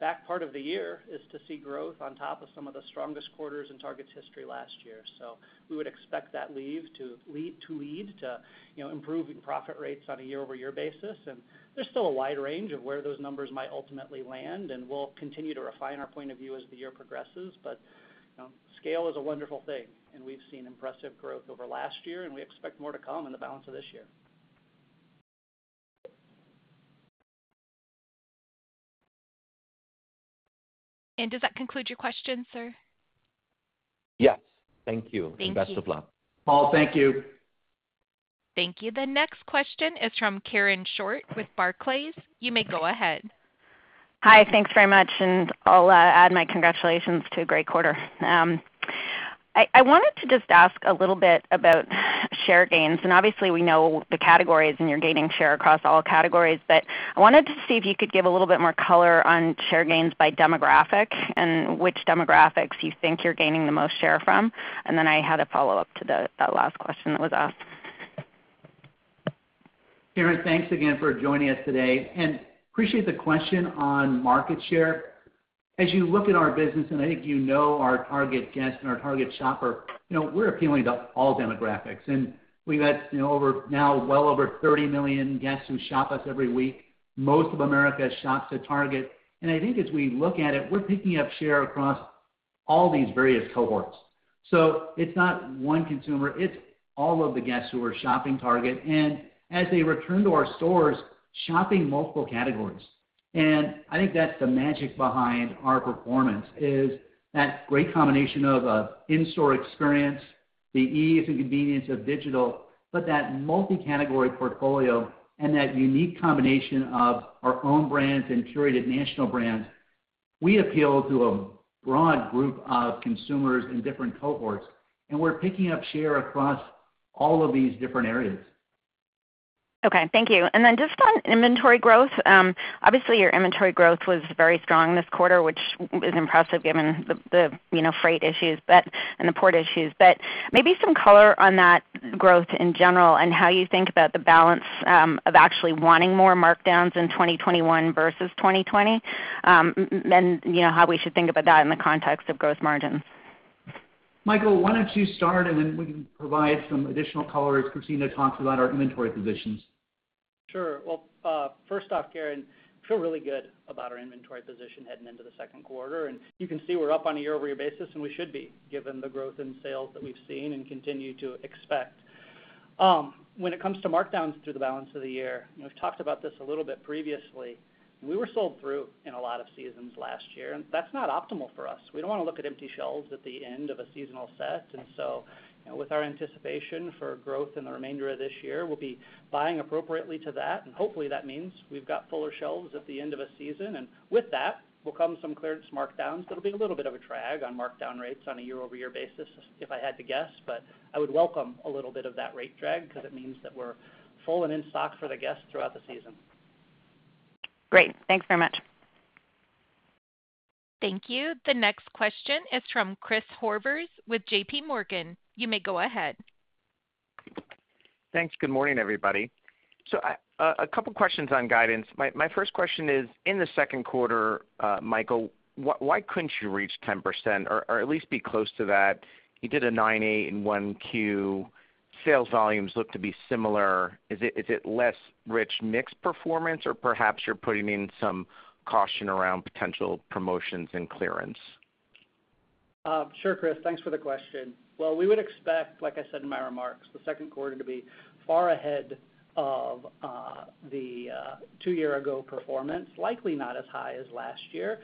back part of the year is to see growth on top of some of the strongest quarters in Target's history last year. We would expect that lead to improving profit rates on a year-over-year basis. There's still a wide range of where those numbers might ultimately land, and we'll continue to refine our point of view as the year progresses. Scale is a wonderful thing, and we've seen impressive growth over last year, and we expect more to come in the balance of this year. Does that conclude your question, sir? Yes. Thank you. Thank you. Best of luck. Paul, thank you. Thank you. The next question is from Karen Short with Barclays. You may go ahead. Hi. Thanks very much, and I'll add my congratulations to a great quarter. I wanted to just ask a little bit about share gains. Obviously, we know the categories and you're gaining share across all categories, but I wanted to see if you could give a little bit more color on share gains by demographic and which demographics you think you're gaining the most share from? Then I had a follow-up to that last question with us. Karen, thanks again for joining us today. Appreciate the question on market share. As you look at our business, and I think you know our Target guest and our Target shopper, we're appealing to all demographics. We've had now well over 30 million guests who shop us every week. Most of America shops at Target. I think as we look at it, we're picking up share across all these various cohorts. It's not one consumer, it's all of the guests who are shopping Target, and as they return to our stores, shopping multiple categories. I think that's the magic behind our performance is that great combination of an in-store experience, the ease and convenience of digital, but that multi-category portfolio and that unique combination of our owned brands and curated national brands. We appeal to a broad group of consumers in different cohorts, and we're picking up share across all of these different areas. Okay, thank you. Just on inventory growth, obviously your inventory growth was very strong this quarter, which is impressive given the freight issues and the port issues. Maybe some color on that growth in general and how you think about the balance of actually wanting more markdowns in 2021 versus 2020. How we should think about that in the context of gross margin. Michael, why don't you start, and then we can provide some additional color as Christina talks about our inventory positions. Sure. Well, first off, Karen, feel really good about our inventory position heading into the second quarter. You can see we're up on a year-over-year basis, and we should be, given the growth in sales that we've seen and continue to expect. When it comes to markdowns through the balance of the year, we've talked about this a little bit previously. We were sold through in a lot of seasons last year, and that's not optimal for us. We don't want to look at empty shelves at the end of a seasonal set. With our anticipation for growth in the remainder of this year, we'll be buying appropriately to that, and hopefully that means we've got fuller shelves at the end of a season. With that will come some clearance markdowns. There'll be a little bit of a drag on markdown rates on a year-over-year basis, if I had to guess, but I would welcome a little bit of that rate drag because it means that we're full and in stock for the guests throughout the season. Great. Thanks very much. Thank you. The next question is from Chris Horvers with JPMorgan. You may go ahead. Thanks. Good morning, everybody. A couple questions on guidance. My first question is, in the second quarter, Michael, why couldn't you reach 10% or at least be close to that? You did a 9.8% in 1Q. Sales volumes look to be similar. Is it less rich mix performance or perhaps you're putting in some caution around potential promotions and clearance? Sure, Chris, thanks for the question. Well, we would expect, like I said in my remarks, the second quarter to be far ahead of the two-year ago performance, likely not as high as last year.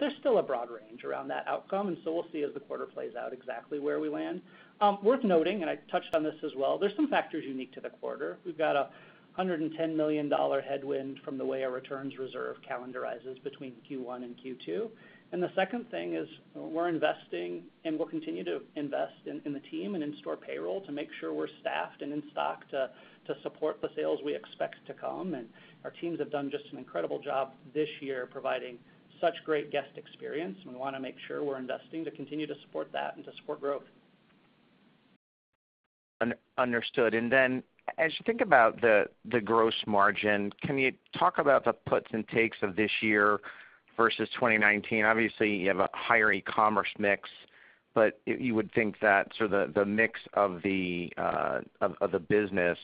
There's still a broad range around that outcome. We'll see as the quarter plays out exactly where we land. Worth noting, I touched on this as well, there's some factors unique to the quarter. We've got a $110 million headwind from the way our returns reserve calendarizes between Q1 and Q2. The second thing is we're investing and will continue to invest in the team and in-store payroll to make sure we're staffed and in stock to support the sales we expect to come. Our teams have done just an incredible job this year providing such great guest experience. We want to make sure we're investing to continue to support that and to support growth. Understood. As you think about the gross margin, can you talk about the puts and takes of this year versus 2019? Obviously, you have a higher e-commerce mix, but you would think that the mix of the business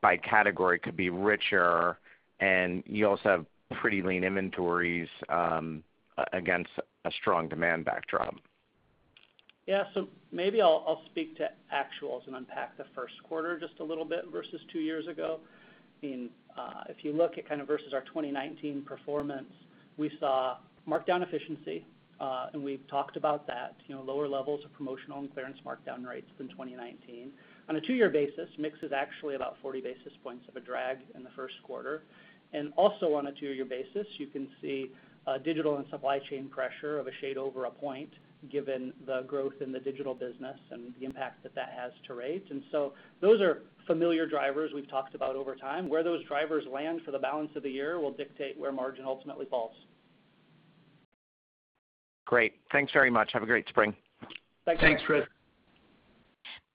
by category could be richer, and you also have pretty lean inventories against a strong demand backdrop. Maybe I'll speak to actuals and unpack the first quarter just a little bit versus two years ago. If you look at versus our 2019 performance, we saw markdown efficiency, and we've talked about that. Lower levels of promotional and clearance markdown rates than 2019. On a two-year basis, mix is actually about 40 basis points of a drag in the first quarter. Also on a two-year basis, you can see digital and supply chain pressure of a shade over a point given the growth in the digital business and the impact that that has to rates. Those are familiar drivers we've talked about over time. Where those drivers land for the balance of the year will dictate where margin ultimately falls. Great. Thanks very much. Have a great spring. Thanks, Chris.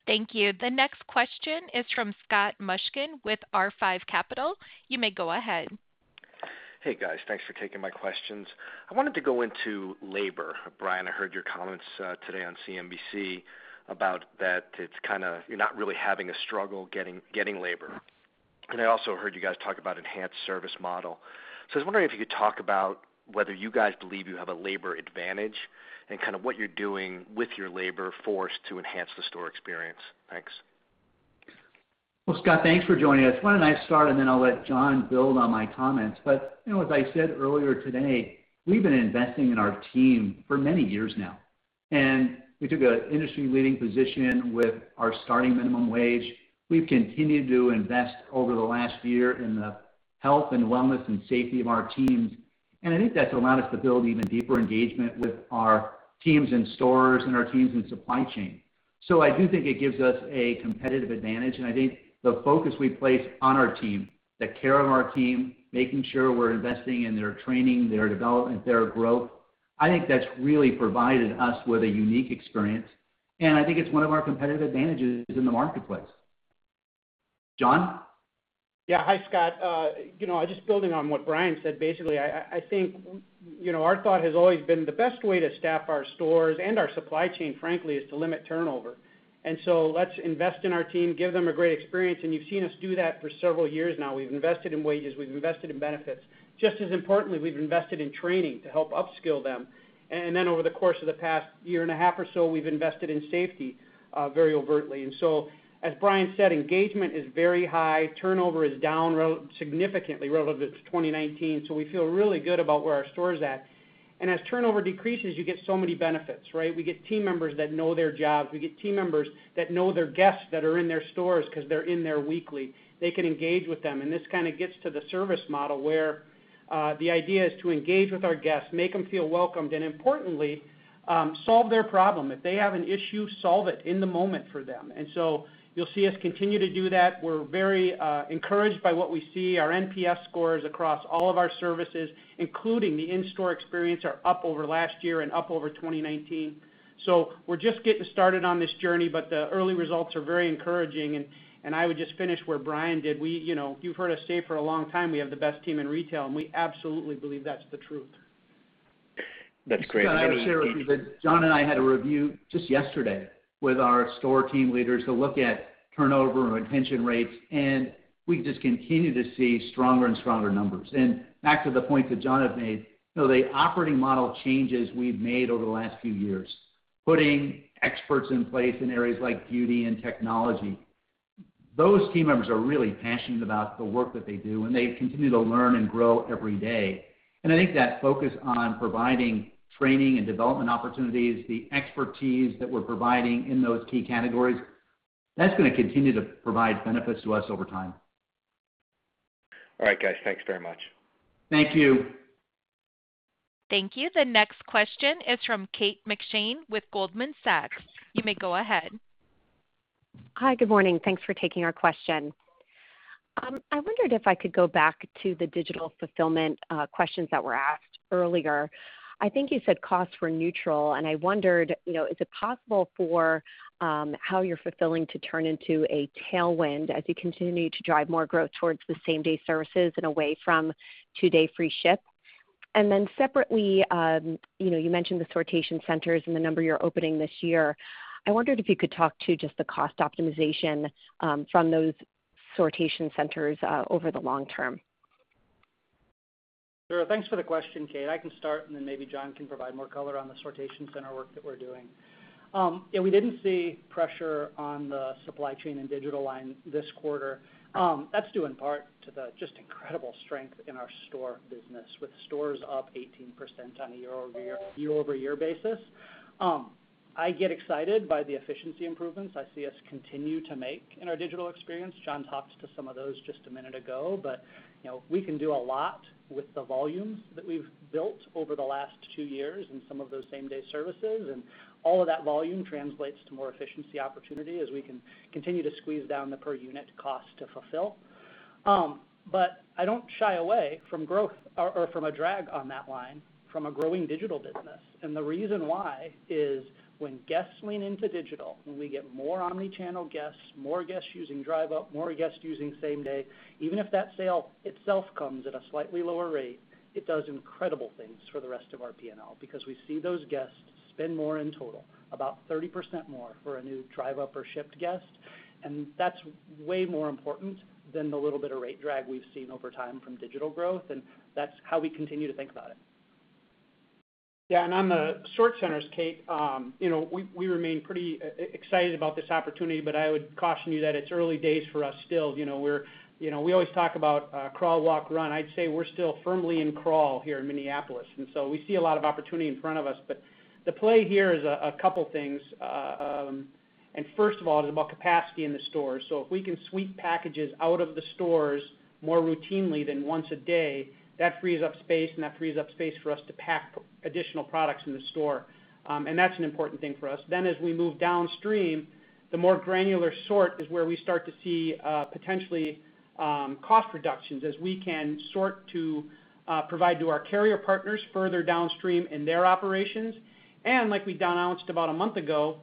Thank you. The next question is from Scott Mushkin with R5 Capital. You may go ahead. Hey, guys. Thanks for taking my questions. I wanted to go into labor. Brian, I heard your comments today on CNBC about that you're not really having a struggle getting labor. I also heard you guys talk about enhanced service model. I was wondering if you could talk about whether you guys believe you have a labor advantage and what you're doing with your labor force to enhance the store experience? Thanks. Well, Scott, thanks for joining us. Why don't I start, and then I'll let John build on my comments. As I said earlier today, we've been investing in our team for many years now, and we took an industry-leading position with our starting minimum wage. We've continued to invest over the last year in the health and wellness and safety of our teams, and I think that's allowed us to build even deeper engagement with our teams in stores and our teams in supply chain. I do think it gives us a competitive advantage, and I think the focus we place on our team, the care of our team, making sure we're investing in their training, their development, their growth, I think that's really provided us with a unique experience, and I think it's one of our competitive advantages in the marketplace. John? Yeah. Hi, Scott. Just building on what Brian said, basically, I think our thought has always been the best way to staff our stores and our supply chain, frankly, is to limit turnover. Let's invest in our team, give them a great experience, and you've seen us do that for several years now. We've invested in wages, we've invested in benefits. Just as importantly, we've invested in training to help upskill them. Over the course of the past year and a half or so, we've invested in safety very overtly. As Brian said, engagement is very high. Turnover is down significantly relative to 2019. We feel really good about where our store's at. As turnover decreases, you get so many benefits, right? We get team members that know their jobs. We get team members that know their guests that are in their stores because they're in there weekly. They can engage with them. This gets to the service model where the idea is to engage with our guests, make them feel welcomed, and importantly, solve their problem. If they have an issue, solve it in the moment for them. You'll see us continue to do that. We're very encouraged by what we see. Our NPS scores across all of our services, including the in-store experience, are up over last year and up over 2019. We're just getting started on this journey, but the early results are very encouraging, and I would just finish where Brian did. You've heard us say for a long time, we have the best team in retail, and we absolutely believe that's the truth. That's great. Scott, I'd share with you that John and I had a review just yesterday with our store team leaders to look at turnover and retention rates. We just continue to see stronger and stronger numbers. Back to the point that John had made, the operating model changes we've made over the last few years, putting experts in place in areas like beauty and technology. Those team members are really passionate about the work that they do. They continue to learn and grow every day. I think that focus on providing training and development opportunities, the expertise that we're providing in those key categories, that's going to continue to provide benefits to us over time. All right, guys, thanks very much. Thank you. Thank you. The next question is from Kate McShane with Goldman Sachs. You may go ahead. Hi. Good morning. Thanks for taking our question. I wondered if I could go back to the digital fulfillment questions that were asked earlier. I think you said costs were neutral, and I wondered, is it possible for how you're fulfilling to turn into a tailwind as you continue to drive more growth towards the same-day services and away from two-day free shipping? Separately, you mentioned the sortation centers and the number you're opening this year. I wondered if you could talk to just the cost optimization from those sortation centers over the long term. Sure. Thanks for the question, Kate. I can start, and then maybe John can provide more color on the sortation center work that we're doing. Yeah, we didn't see pressure on the supply chain and digital line this quarter. That's due in part to the just incredible strength in our store business, with stores up 18% on a year-over-year basis. I get excited by the efficiency improvements I see us continue to make in our digital experience. John talked to some of those just a minute ago, but we can do a lot with the volumes that we've built over the last two years and some of those same-day services. All of that volume translates to more efficiency opportunity as we can continue to squeeze down the per unit cost to fulfill. I don't shy away from growth or from a drag on that line from a growing digital business. The reason why is when guests lean into digital, when we get more omni-channel guests, more guests using Drive Up, more guests using same day, even if that sale itself comes at a slightly lower rate, it does incredible things for the rest of our P&L. We see those guests spend more in total, about 30% more for a new Drive Up or Shipt guest, and that's way more important than the little bit of rate drag we've seen over time from digital growth, and that's how we continue to think about it. On the sort centers, Kate, we remain pretty excited about this opportunity, but I would caution you that it's early days for us still. We always talk about crawl, walk, run. I'd say we're still firmly in crawl here in Minneapolis. We see a lot of opportunity in front of us, but the play here is a couple things. First of all, it's about capacity in the stores. So if we can sweep packages out of the stores more routinely than once a day, that frees up space, and that frees up space for us to pack additional products in the store. That's an important thing for us. As we move downstream, the more granular sort is where we start to see potentially cost reductions as we can sort to provide to our carrier partners further downstream in their operations. Like we announced about a month ago,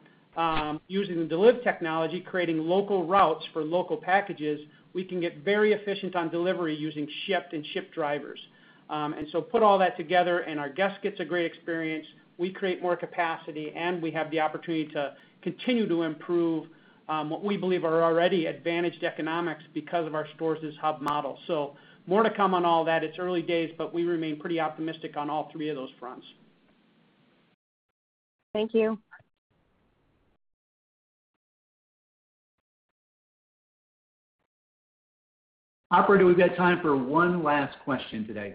using the Deliv technology, creating local routes for local packages, we can get very efficient on delivery using Shipt and Shipt drivers. Put all that together and our guest gets a great experience, we create more capacity, and we have the opportunity to continue to improve what we believe are already advantaged economics because of our stores as hub model. More to come on all that. It's early days, but we remain pretty optimistic on all three of those fronts. Thank you. Operator, we've got time for one last question today.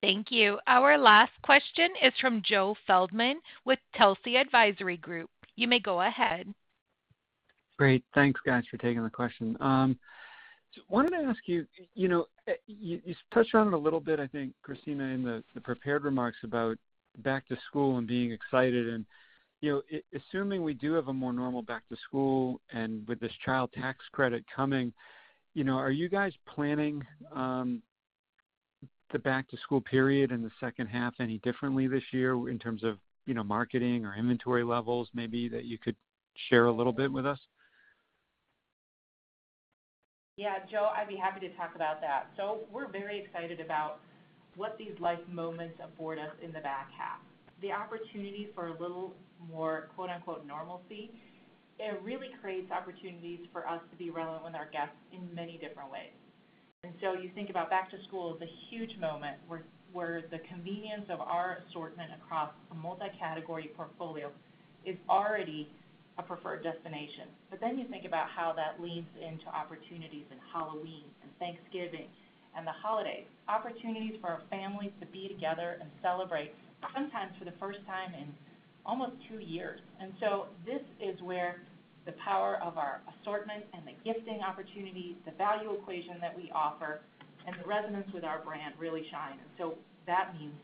Thank you. Our last question is from Joe Feldman with Telsey Advisory Group. You may go ahead. Great. Thanks, guys, for taking the question. Wanted to ask you touched on it a little bit, I think, Christina, in the prepared remarks about back to school and being excited and, assuming we do have a more normal back to school and with this Child Tax Credit coming, are you guys planning the back to school period in the second half any differently this year in terms of marketing or inventory levels maybe that you could share a little bit with us? Yeah, Joe, I'd be happy to talk about that. We're very excited about what these life moments afford us in the back half. The opportunity for a little more "normalcy," it really creates opportunities for us to be relevant with our guests in many different ways. You think about back to school is a huge moment where the convenience of our assortment across a multi-category portfolio is already a preferred destination. You think about how that leads into opportunities in Halloween, and Thanksgiving, and the holidays, opportunities for our families to be together and celebrate, sometimes for the first time in almost two years. This is where the power of our assortment and the gifting opportunity, the value equation that we offer, and the resonance with our brand really shines. That means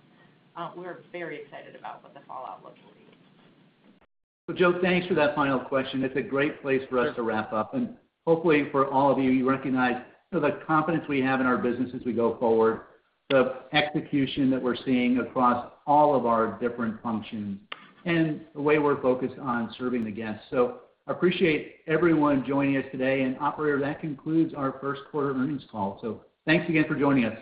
we're very excited about what the fall outlook will be. Joe, thanks for that final question. It's a great place for us to wrap up, and hopefully for all of you recognize the confidence we have in our business as we go forward, the execution that we're seeing across all of our different functions, and the way we're focused on serving the guests. Appreciate everyone joining us today, and operator, that concludes our first quarter earnings call. Thanks again for joining us.